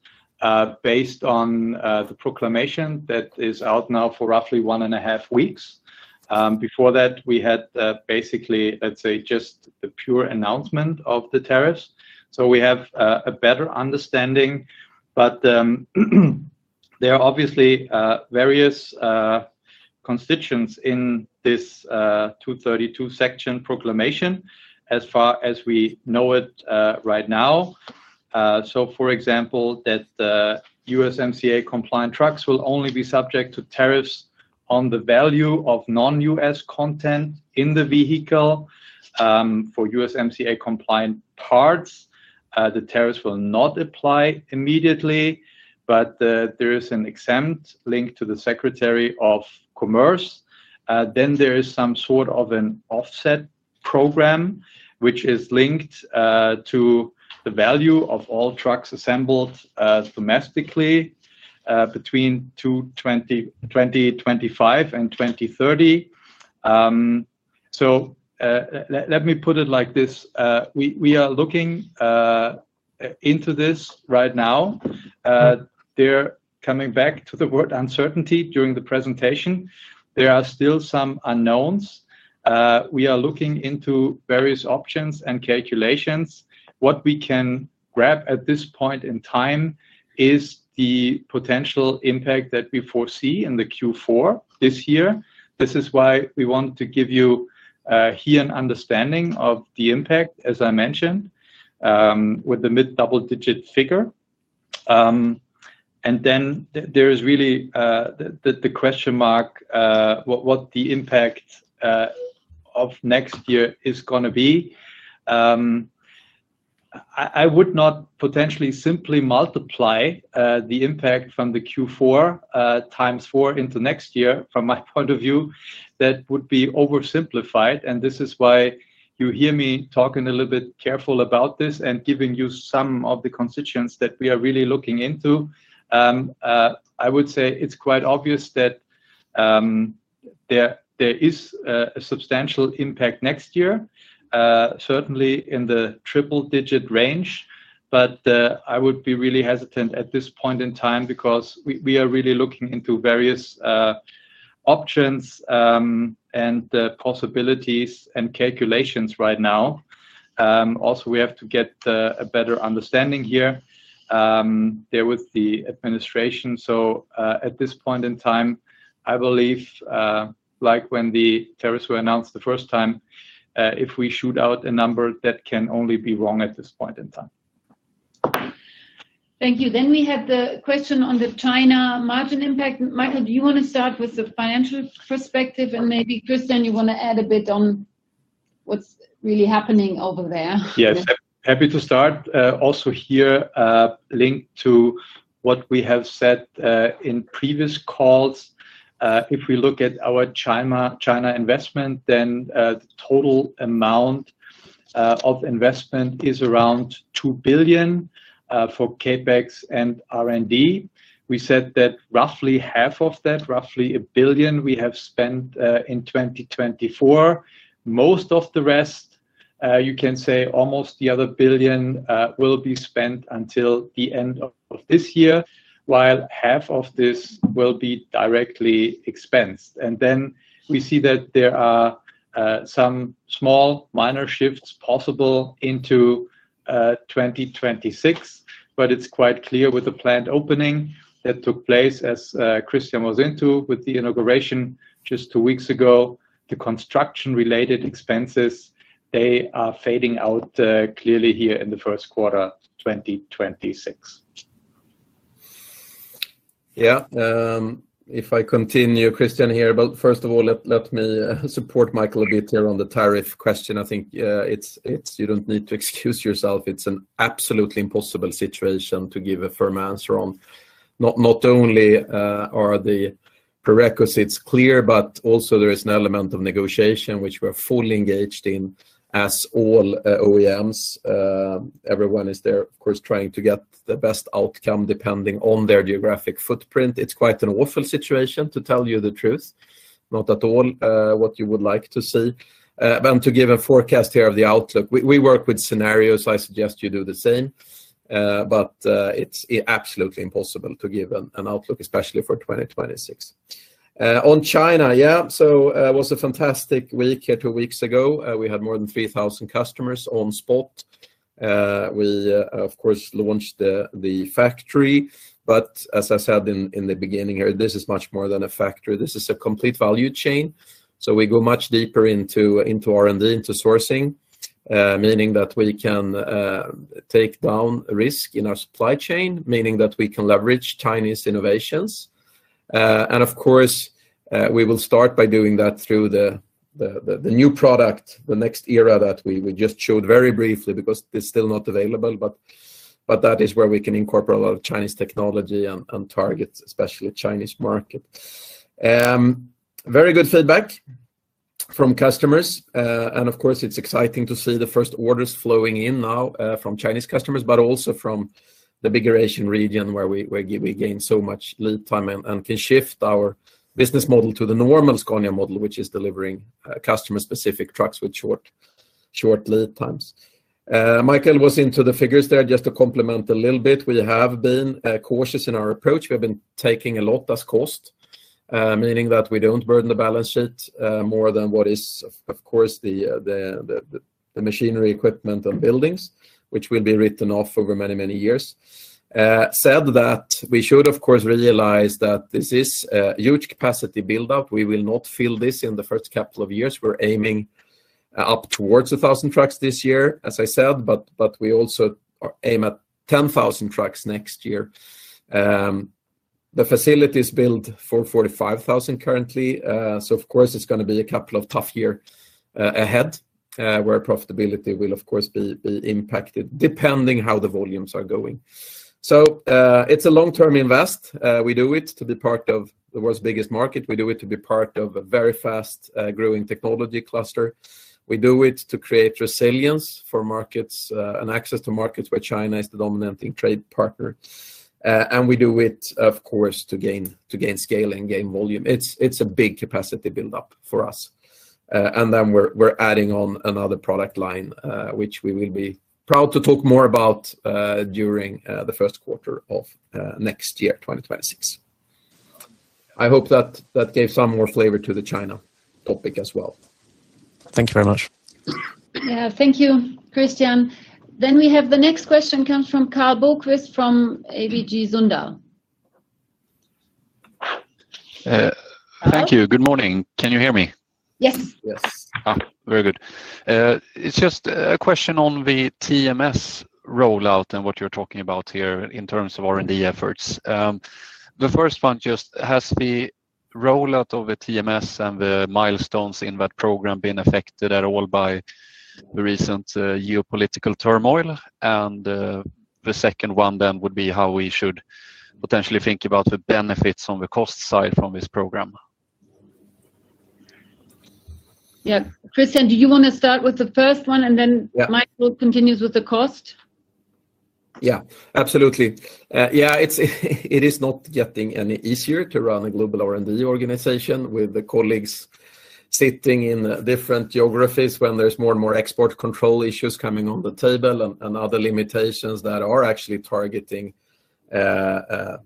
Based on the proclamation that is out now for roughly one and a half weeks, before that we had basically just the pure announcement of the tariffs. We have a better understanding, but there are obviously various constituents in this Section 232 proclamation as far as we know it right now. For example, USMCA compliant trucks will only be subject to tariffs on the value of non-U.S. content in the vehicle. For USMCA compliant parts, the tariffs will not apply immediately, but there is an exemption linked to the Secretary of Commerce. There is some sort of an offset program which is linked to the value of all trucks assembled domestically between 2025 and 2030. We are looking into this right now. Coming back to the word uncertainty during the presentation, there are still some unknowns. We are looking into various options and calculations. What we can grab at this point in time is the potential impact that we foresee in Q4 this year. This is why we want to give you here an understanding of the impact, as I mentioned, with the mid double-digit figure. There is really the question mark what the impact of next year is going to be. I would not simply multiply the impact from Q4 times four into next year. From my point of view, that would be oversimplified. This is why you hear me talking a little bit careful about this and giving you some of the constituents that we are really looking into. I would say it's quite obvious that there is a substantial impact next year, certainly in the triple-digit range. I would be really hesitant at this point in time because we are really looking into various options and possibilities and calculations right now. Also, we have to get a better understanding here with the administration. At this point in time, I believe like when the tariffs were announced the first time, if we shoot out a number that can only be wrong at this point in time. Thank you. We have the question on the China margin impact. Michael, do you want to start with the financial perspective, and maybe Christian, you want to add a bit on what's really happening over there? Yes, happy to start. Also here linked to what we have said in previous calls, if we look at our China investment then the total amount of investment is around 2 billion. For CapEx and R&D we said that roughly half of that, roughly 1 billion, we have spent in 2024. Most of the rest, you can say almost the other 1 billion, will be spent until the end of this year while half of this will be directly expensed, and then we see that there are some small minor shifts possible into 2026. It's quite clear with the planned opening that took place as Christian was into with the inauguration just two weeks ago, the construction-related expenses are fading out clearly here in the first quarter, 2026. Yeah, if I continue, Christian here. First of all, let me support Michael a bit here on the tariff question. I think you don't need to excuse yourself. It's an absolutely impossible situation to give a firm answer on. Not only are the prerequisites clear, but also there is an element of negotiation which we're fully engaged in as all OEMs. Everyone is there, of course, trying to get the best outcome depending on their geographic footprint. It's quite an awful situation, to tell you the truth. Not at all what you would like to see to give a forecast here of the outlook. We work with scenarios; I suggest you do the same. It's absolutely impossible to give an outlook, especially for 2026 on China. Yeah, it was a fantastic week. Two weeks ago, we had more than 3,000 customers on spot. We, of course, launched the factory, but as I said in the beginning here, this is much more than a factory. This is a complete value chain. We go much deeper into R&D, into sourcing, meaning that we can take down risk in our supply chain, meaning that we can leverage Chinese innovations. Of course, we will start by doing that through the new product, the next era that we just showed very briefly because it's still not available, but that is where we can incorporate a lot of Chinese technology and target especially the Chinese market. Very good feedback from customers, and of course, it's exciting to see the first orders flowing in now from Chinese customers but also from the bigger Asian region, where we gain so much lead time and can shift our business model to the normal Scania model, which is delivering customer-specific trucks with short lead times. Michael was into the figures there. Just to complement a little bit, we have been cautious in our approach. We have been taking a lot as cost, meaning that we don't burden the balance sheet more than what is, of course, the machinery, equipment, and buildings, which will be written off over many, many years. Said that, we should, of course, realize that this is a huge capacity buildup. We will not fill this in the first couple of years. We're aiming up towards 1,000 trucks this year, as I said, but we also aim at 10,000 trucks next year. The facility is built for 45,000 currently. Of course, it's going to be a couple of tough years ahead where profitability will, of course, be impacted depending how the volumes are going. It's a long-term investment. We do it to be part of the world's biggest market. We do it to be part of a very fast-growing technology cluster. We do it to create resilience for markets and access to markets where China is the dominating trade partner. We do it, of course, to gain scale and gain volume. It's a big capacity buildup for us. We're adding on another product line, which we will be proud to talk more about during the first quarter of next year, 2026. I hope that gave some more flavor to the China topic as well. Thank you very much. Thank you, Christian. We have the next question comes from Karl Bolquist from ABG Sundal. Thank you. Good morning. Can you hear me? Yes. Very good. It's just a question on the TMS rollout and what you're talking about here in terms of R&D efforts. The first one just has the rollout of the TMS and the milestones in that program been affected at all by the recent geopolitical turmoil. The second one then would be how we should potentially think about the benefits on the cost side from this program. Yeah. Christian, do you want to start with the first one, and then Michael continues with the cost? Yeah, absolutely. Yeah. It is not getting any easier to run a global R&D organization with the colleagues sitting in different geographies when there's more and more export control issues coming on the table and other limitations that are actually targeting not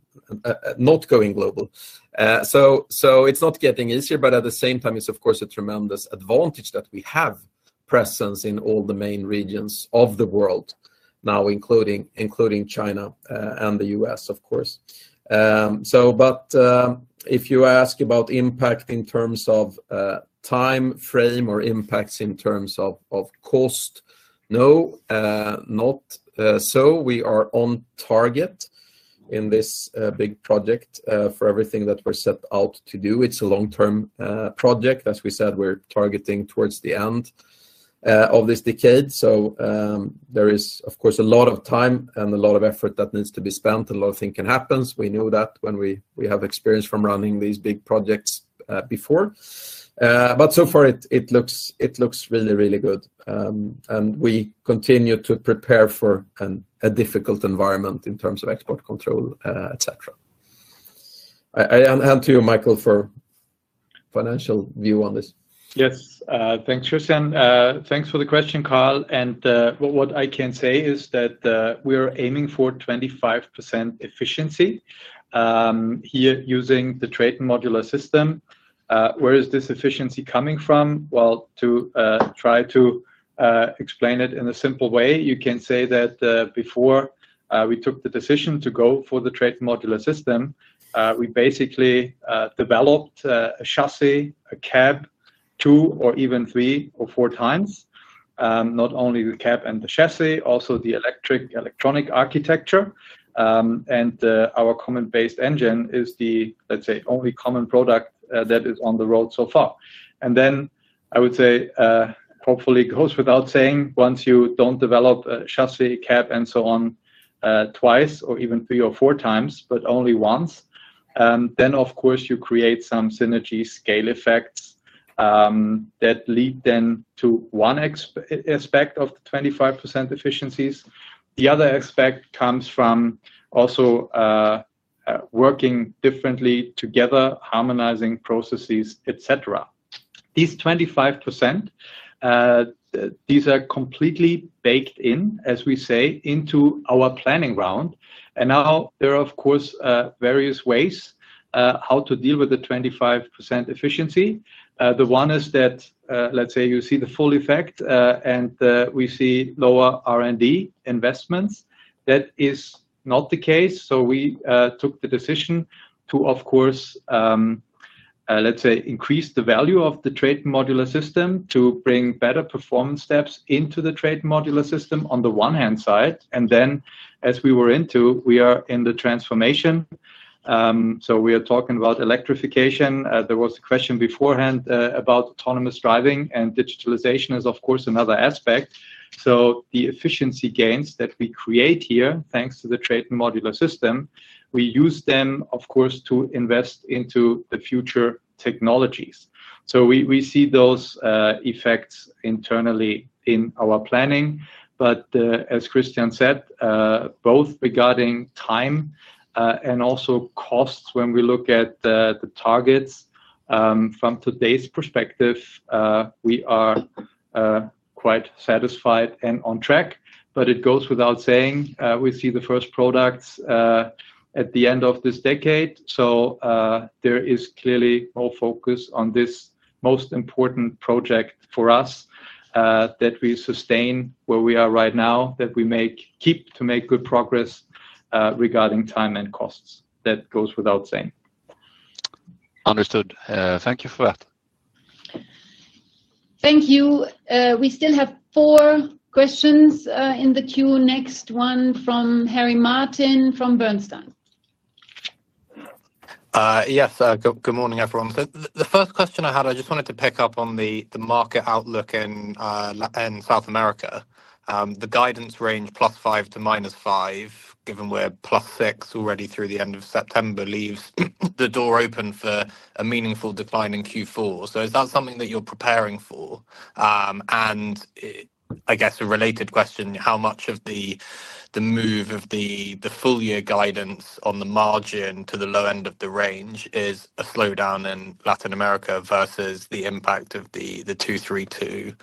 going global. It's not getting easier. At the same time, it's of course a tremendous advantage that we have presence in all the main regions of the world now, including China and the U.S. of course. If you ask about impact in terms of time frame or impacts in terms of cost, no, not so. We are on target in this big project for everything that we're set up out to do. It's a long-term project, as we said, we're targeting towards the end of this decade. There is of course a lot of time and a lot of effort that needs to be spent and a lot of thinking happens. We knew that when we have experience from running these big projects before, but so far it looks really, really good and we continue to prepare for a difficult environment in terms of export control, et cetera. I hand to you, Michael, for financial view on this. Yes, thanks Christian. Thanks for the question, Karl. What I can say is that we are aiming for 25% efficiency here using the TRATON Modular System. Where is this efficiency coming from? To try to explain it in a simple way, you can say that before we took the decision to go for the TRATON Modular System, we basically developed a chassis, a cab, two or even three or four times. Not only the cab and the chassis, also the electric electronic architecture and our common-based engine is the, let's say, only common product that is on the road so far. I would say, hopefully goes without saying, once you don't develop a chassis, cab and so on twice or even three or four times, but only once, then of course you create some synergy scale effects that lead then to one aspect of the 25% efficiencies. The other aspect comes from also working differently together, harmonizing processes, etc. These 25%, these are completely baked in, as we say, into our planning round. Now there are of course various ways how to deal with the 25% efficiency. The one is that, let's say, you see the full effect and we see lower R&D investments. That is not the case. We took the decision to, of course, let's say, increase the value of the TRATON Modular System to bring better performance steps into the TRATON Modular System on the one hand side and then as we are in the transformation, we are talking about electrification. There was a question beforehand about autonomous driving and digitalization is of course another aspect. The efficiency gains that we create here thanks to the TRATON Modular System, we use them, of course, to invest into the future technologies. We see those effects internally in our planning. As Christian said, both regarding time and also costs, when we look at the targets from today's perspective, we are quite satisfied and on track. It goes without saying we see the first products at the end of this decade. There is clearly focus on this most important project for us that we sustain where we are right now, that we keep to make good progress regarding time and costs. That goes without saying. Understood. Thank you for that. Thank you. We still have four questions in the queue. Next one from Harry Martin from Bernstein. Yes, good morning everyone. The first question I had, I just wanted to pick up on the market outlook in South America. The guidance range, +5% to -5%, given we're +6% already through the end of September, leaves the door open for a meaningful decline in Q4. Is that something that you're preparing for? I guess a related question, how much of the move of the full year guidance on the margin to the low end of the range is a slowdown in Latin America versus the impact of the Section 232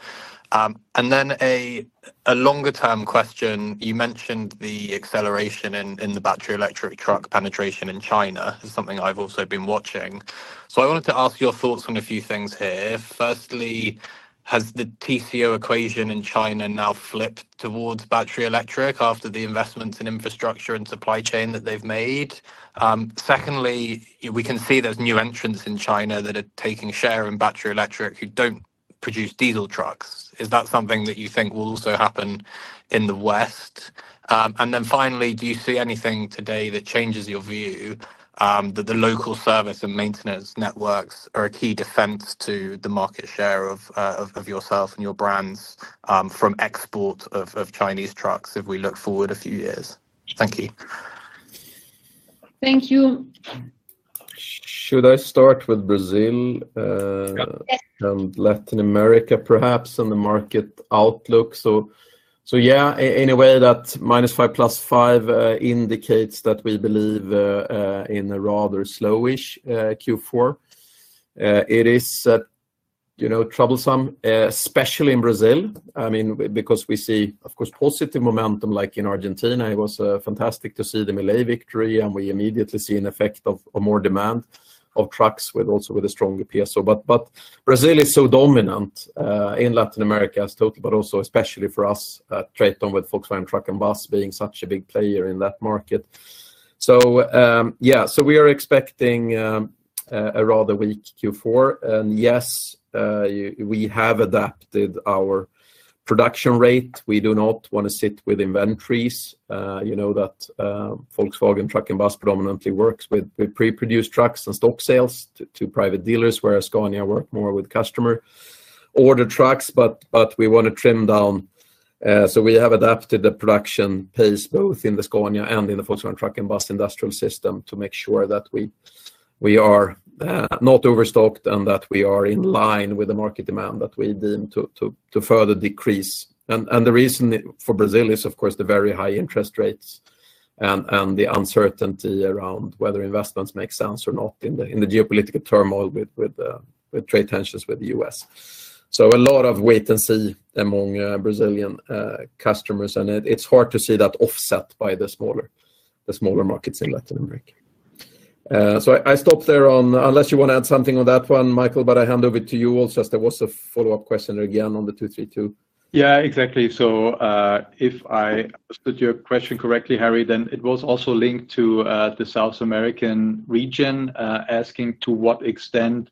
tariffs? A longer term question, you mentioned the acceleration in the battery electric truck penetration in China is something I've also been watching. I wanted to ask your thoughts on a few things here. Firstly, has the TCO equation in China now flipped towards battery electric after the investments in infrastructure and supply chain that they've made? Secondly, we can see there's new entrants in China that are taking share in battery electric who don't produce diesel trucks. Is that something that you think will also happen in the West? Finally, do you see anything today that changes your view that the local service and maintenance networks are a key defense to the market share of yourself and your brands from export of Chinese trucks? If we look forward a few years. Thank you. Thank you. Should I start with Brazil and Latin America perhaps on the market outlook? In a way, that -5%, +5% indicates that we believe in a rather slowish Q4. It is troublesome, especially in Brazil, because we see, of course, positive momentum like in Argentina. It was fantastic to see the Malay victory and we immediately see an effect of more demand of trucks, also with a stronger peso. Brazil is so dominant in Latin America as total, and especially for us, TRATON, with Volkswagen Truck & Bus being such a big player in that market. We are expecting a rather weak Q4. We have adapted our production rate. We do not want to sit with inventories. You know that Volkswagen Truck & Bus predominantly works with pre-produced trucks and stock sales to private dealers, whereas Scania works more with customer order trucks. We want to trim down, so we have adapted the production pace both in the Scania and in the Volkswagen Truck & Bus industrial system to make sure that we are not overstocked and that we are in line with the market demand that we deem to further decrease. The reason for Brazil is, of course, the very high interest rates and the uncertainty around whether investments make sense or not in the geopolitical turmoil with trade tensions with the U.S. There is a lot of wait and see among Brazilian customers and it's hard to see that offsetting by the smaller markets in Latin America. I stop there unless you want to add something on that one, Michael, but I hand over to you also as there was a follow-up question again on the 232. Yeah, exactly. If I understood your question correctly, Harry, then it was also linked to the South American region, asking to what extent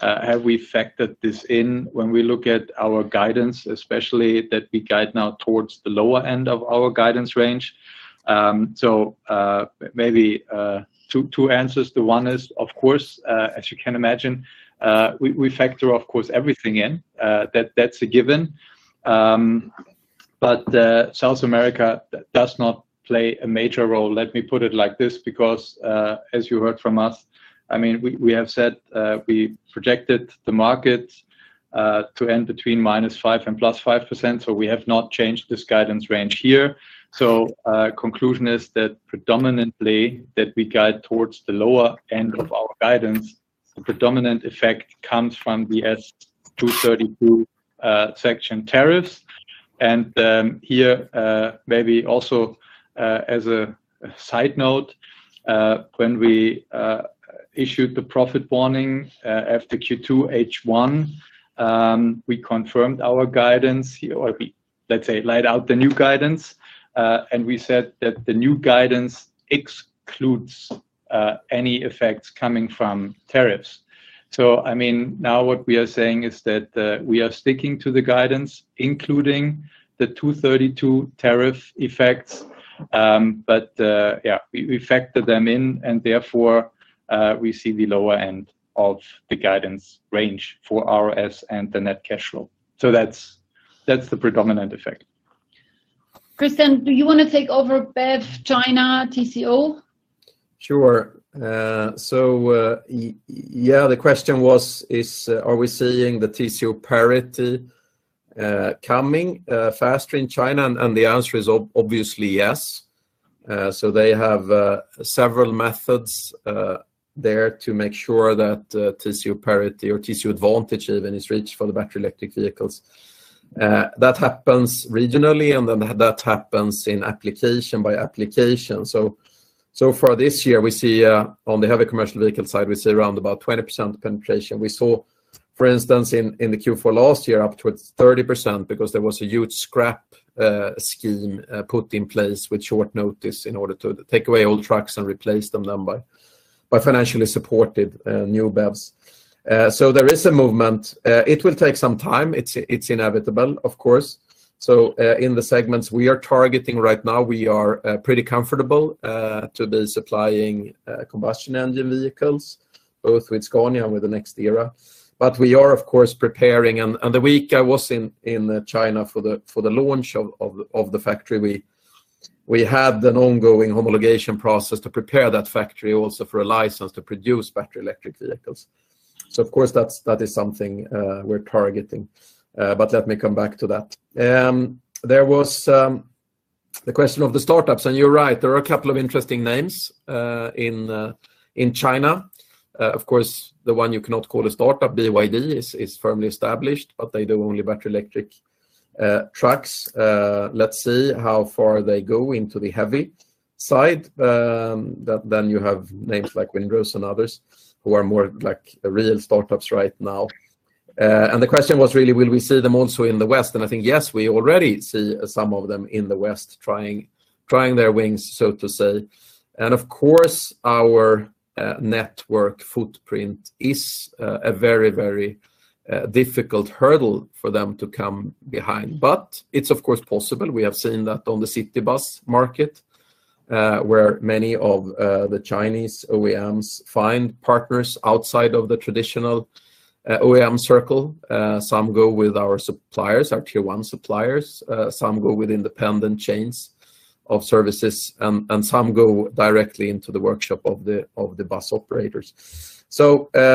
have we factored this in when we look at our guidance, especially that we guide now towards the lower end of our guidance range. Maybe two answers. The one is, of course, as you can imagine, we factor, of course, everything in. That's a given. South America does not play a major role. Let me put it like this because, as you heard from us, I mean, we have said we projected the market to end between -5% and +5%. We have not changed this guidance range here. The conclusion is that predominantly, that we guide towards the lower end of our guidance, the predominant effect comes from the Section 232 tariffs. Here, maybe also as a side note, when we issued the profit warning after Q2 H1, we confirmed our guidance, laid out the new guidance, and we said that the new guidance excludes any effects coming from tariffs. What we are saying is that we are sticking to the guidance including the 232 tariff effects. We factor them in and therefore we see the lower end of the guidance range for return on sales and the net cash flow. That's the predominant effect. Christian, do you want to take over BEV, China, TCO? Sure. The question was are we seeing the TCO parity coming faster in China? The answer is obviously yes. They have several methods there to make sure that TCO parity or TCO advantage even is reached for the battery electric vehicles. That happens regionally and then that happens in application by application. So far this year we see on the heavy commercial vehicle side we see around 20% penetration. We saw for instance in Q4 last year up to 30% because there was a huge scrap scheme put in place with short notice in order to take away all trucks and replace them by financially supported new BEVs. There is a movement. It will take some time. It's inevitable of course. In the segments we are targeting right now, we are pretty comfortable to be supplying combustion engine vehicles, both with Scania, with the next era. We are of course preparing and the week I was in China for the launch of the factory, we had an ongoing homologation process to prepare that factory also for a license to produce battery electric vehicles. That is something we're targeting. Let me come back to that. There was the question of the startups and you're right, there are a couple of interesting names in China. Of course, the one you cannot call a startup, BYD, is firmly established, but they do only battery electric trucks. Let's see how far they go into the heavy side. Then you have names like Windrose and others who are more like real startups right now. The question was really, will we see them also in the West? I think yes, we already see some of them in the West trying their wings, so to say. Our network footprint is a very, very difficult hurdle for them to come behind. It's possible. We have seen that on the city bus market, where many of the Chinese OEMs find partners outside of the traditional OEM circle. Some go with our suppliers, our tier one suppliers, some go with independent chains of services, and some go directly into the workshop of the bus operators.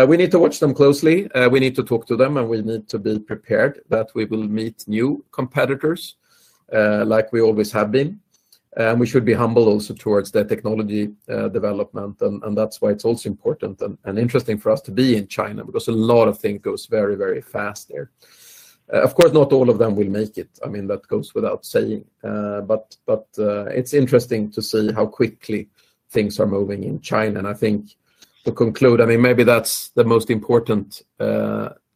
We need to watch them closely, we need to talk to them and we need to be prepared that we will meet new competitors like we always have been. We should be humble also towards the technology development. That's why it's also important and interesting for us to be in China, because a lot of things go very, very fast there. Not all of them will make it. That goes without saying, but. It's interesting to see how quickly things are moving in China, and I think to conclude, maybe that's the most important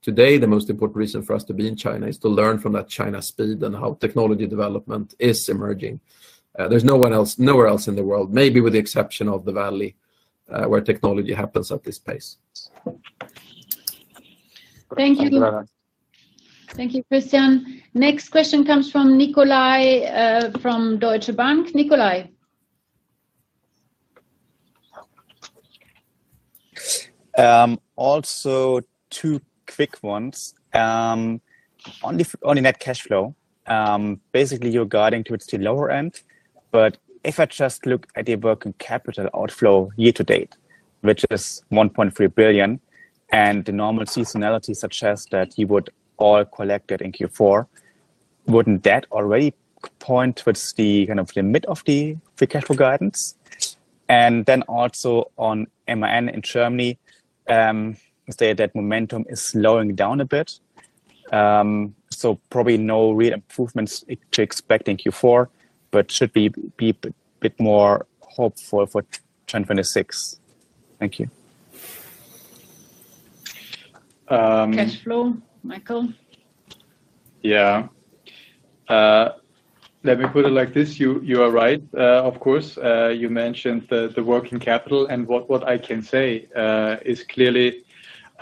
today. The most important reason for us to be in China is to learn from that China speed and how technology development is emerging. There's nowhere else in the world, maybe with the exception of the Valley, where technology happens at this pace. Thank you. Thank you, Christian. Next question comes from Nicolai from Deutsche Bank. Nicolai. Also, two quick ones. Only net cash flow, basically you're guiding towards the lower end. If I just look at the working capital outflow year-to-date, which is 1.3 billion, and the normal seasonality suggests that you would all collect it in Q4, wouldn't that already point towards the kind of limit of the free cash flow guidance? Also, on MAN in Germany, you say that momentum is slowing down a bit, so probably no real improvements to expect in Q4, but should be a bit more hopeful for 2026. Thank you. Cash flow, Michael. Yeah. Let me put it like this. You are right, of course, you mentioned the working capital and what I can say is clearly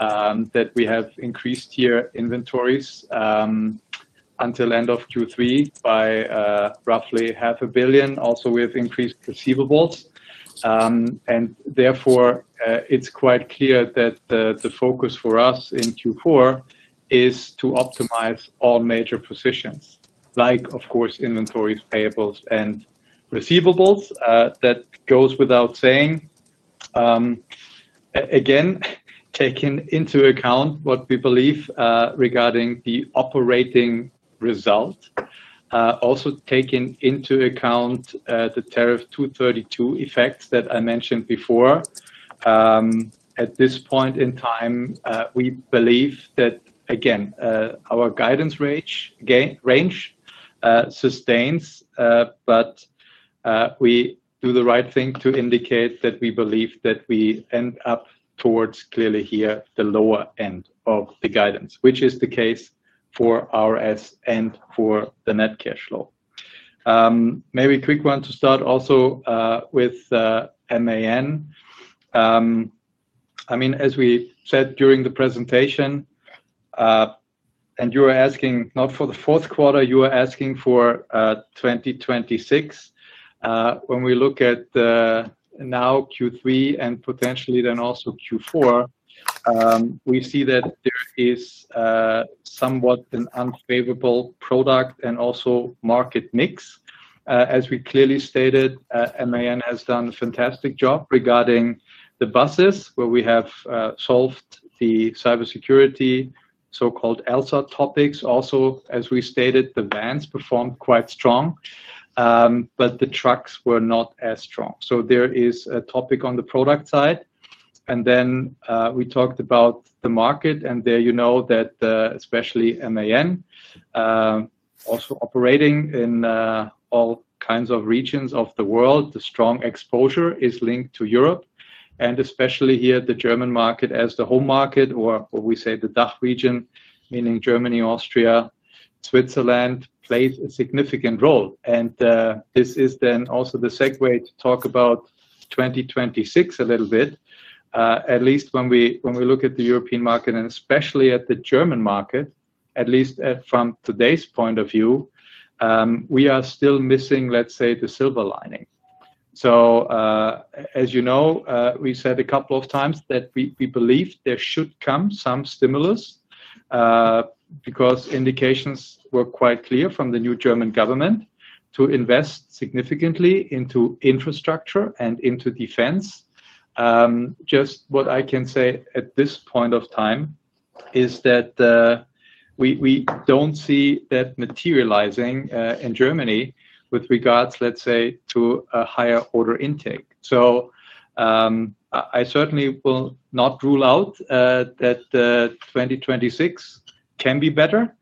that we have increased year inventories until end of Q3 by roughly 0.5 billion. Also, we have increased receivables and therefore it's quite clear that the focus for us in Q4 is to optimize all major positions like, of course, inventories, payables, and receivables. That goes without saying. Again, taking into account what we believe regarding the operating result, also taking into account the Section 232 tariff effects that I mentioned before. At this point in time, we believe that again our guidance range sustains, but we do the right thing to indicate that we believe that we end up towards clearly here the lower end of the guidance, which is the case for return on sales and for the net cash flow. Maybe quick one to start also with MAN. I mean, as we said during the presentation and you are asking not for the fourth quarter, you are asking for 2026. When we look at now Q3 and potentially then also Q4, we see that there is somewhat an unfavorable product and also market mix. As we clearly stated, MAN has done a fantastic job regarding the buses where we have solved the cybersecurity so-called LSO topics. Also, as we stated, the vans performed quite strong but the trucks were not as strong. There is a topic on the product side and then we talked about the market and there you know that especially MAN also operating in all kinds of regions of the world, the strong exposure is linked to Europe and especially here the German market as the home market, or we say the DACH region, meaning Germany, Austria, Switzerland, plays a significant role. This is then also the segue to talk about 2026 a little bit. At least when we look at the European market and especially at the German market, at least from today's point of view, we are still missing, let's say, the silver lining. As you know, we said a couple of times that we believe there should come some stimulus because indications were quite clear from the new German government to invest significantly into infrastructure and into defense. Just what I can say at this point of time is that we don't see that materializing in Germany with regards, let's say, to a higher order intake. I certainly will not rule out that 2026 can be better.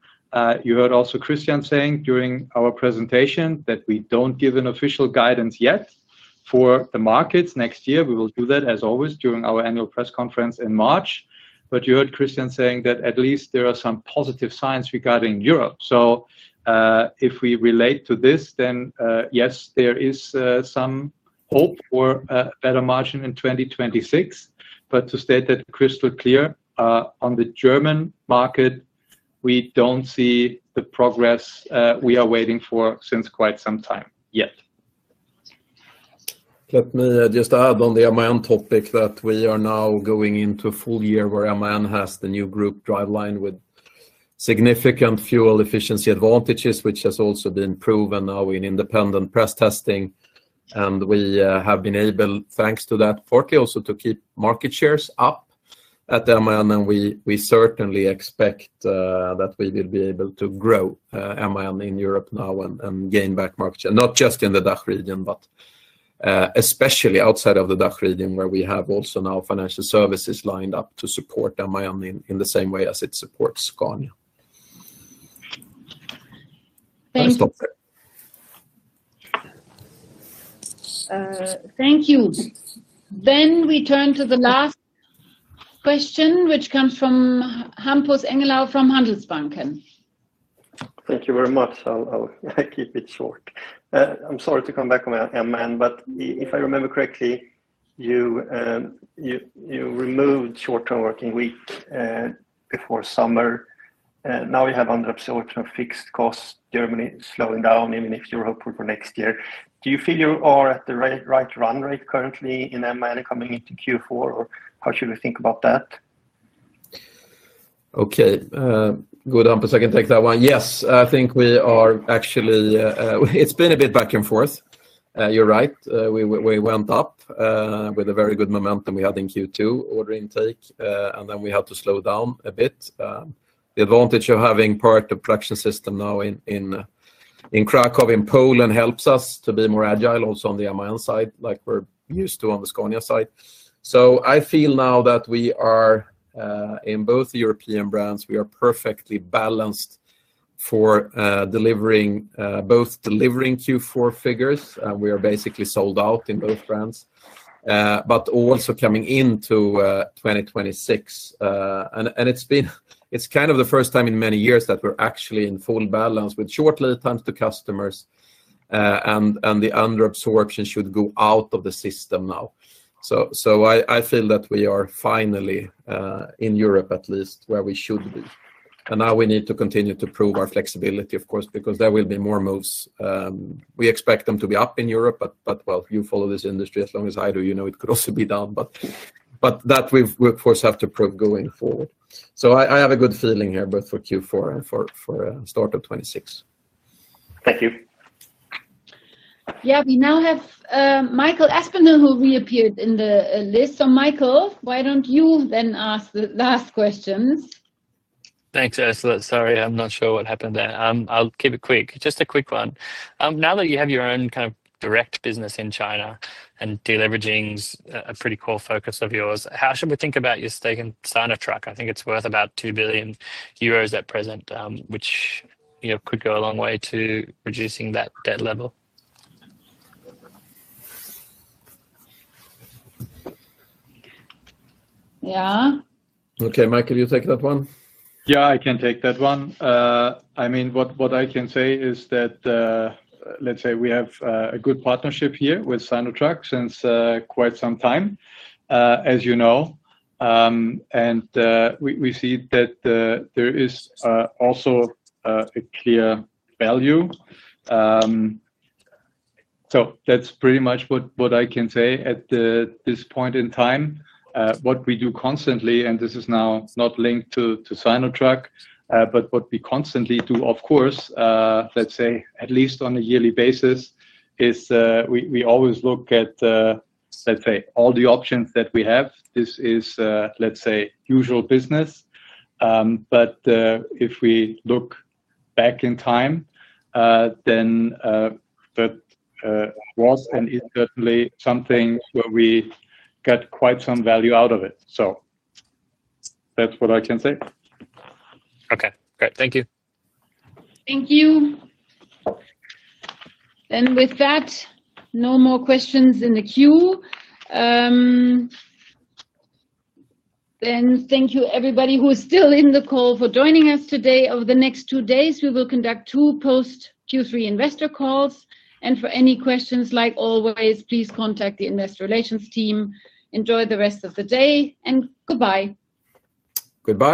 You heard also Christian Levin saying during our presentation that we don't give an official guidance yet for the markets next year. We will do that as always during our annual press conference in March. You heard Christian saying that at least there are some positive signs regarding Europe. If we relate to this, then yes, there is some hope for better margin in 2026. To state that crystal clear on the German market, we don't see the progress we are waiting for since quite some time yet. Let me just add on the MAN topic that we are now going into a full year where MAN has the new Group driveline with significant fuel efficiency advantages, which has also been proven now in independent press testing. We have been able, thanks to that, also to keep market shares up at MAN. We certainly expect that we will be able to grow in Europe now and gain back market share not just in the DACH region, but especially outside of the DACH region where we have also now financial services lined up to support MAN in the same way as it supports Scania. Thanks, Doctor. Thank you. We turn to the last question, which comes from Hampus Engellau from Handelsbanken. Thank you very much. I'll keep it short. I'm sorry to come back, but if. I remember correctly. You removed short-term working week before summer. Now we have under-absorption of fixed costs, Germany slowing down. Even if you're hopeful for next year. Do you feel you are at the right run rate currently in ML coming into Q4, or how should we think about that? Okay, good. I can take that one. Yes, I think we are actually, it's been a bit back and forth. You're right. We went up with a very good momentum we had in Q2 order intake, and then we had to slow down a bit. The advantage of having part of the production system now in Krakow in Poland helps us to be more agile also on the MAN side like we're used to on the Scania side. I feel now that we are in both European brands, we are perfectly balanced for delivering both Q4 figures. We are basically sold out in both brands, but also coming into 2026, and it's kind of the first time in many years that we're actually in full balance with short lead times to customers, and the under absorption should go out of the system now. I feel that we are finally in Europe, at least where we should be. We need to continue to prove our flexibility, of course, because there will be more moves. We expect them to be up in Europe. You follow this industry as long as I do, you know, it could also be down, that we of course have to prove going forward. I have a good feeling here both for Q4 and for startup 2026. Thank you. Yeah, we now have Michael Aspinall who reappeared in the list. Michael, why don't you then ask the last questions. Thanks, Ursula. I'm not sure what happened there. I'll keep it quick, just a quick one. Now that you have your own kind of direct business in China and deleveraging's. A pretty core focus of yours, how? Should we think about your stake in Sinotruk? I think it's worth about 2 billion. Euros at present, which is, could go a long way to reducing that debt level. Yeah, Okay, Michael, you take that one. Yeah, I can take that one. I mean, what I can say is that we have a good partnership here with Sinotruk since quite some time, as you know, and we see that there is also a clear value. That's pretty much what I can say at this point in time. What we do constantly, and this is now not linked to Sinotruk, but what we constantly do, of course, at least on a yearly basis, is we always look at all the options that we have. This is usual business. If we look back in time, then that was and is certainly something where we got quite some value out of it. That's what I can say. Okay, great, thank you. Thank you. With that, no more questions in the queue. Thank you everybody who is still in the call for joining us today. Over the next two days, we will conduct two post Q3 investor calls, and for any questions, like always, please contact the investor relations team. Enjoy the rest of the day and goodbye. Goodbye.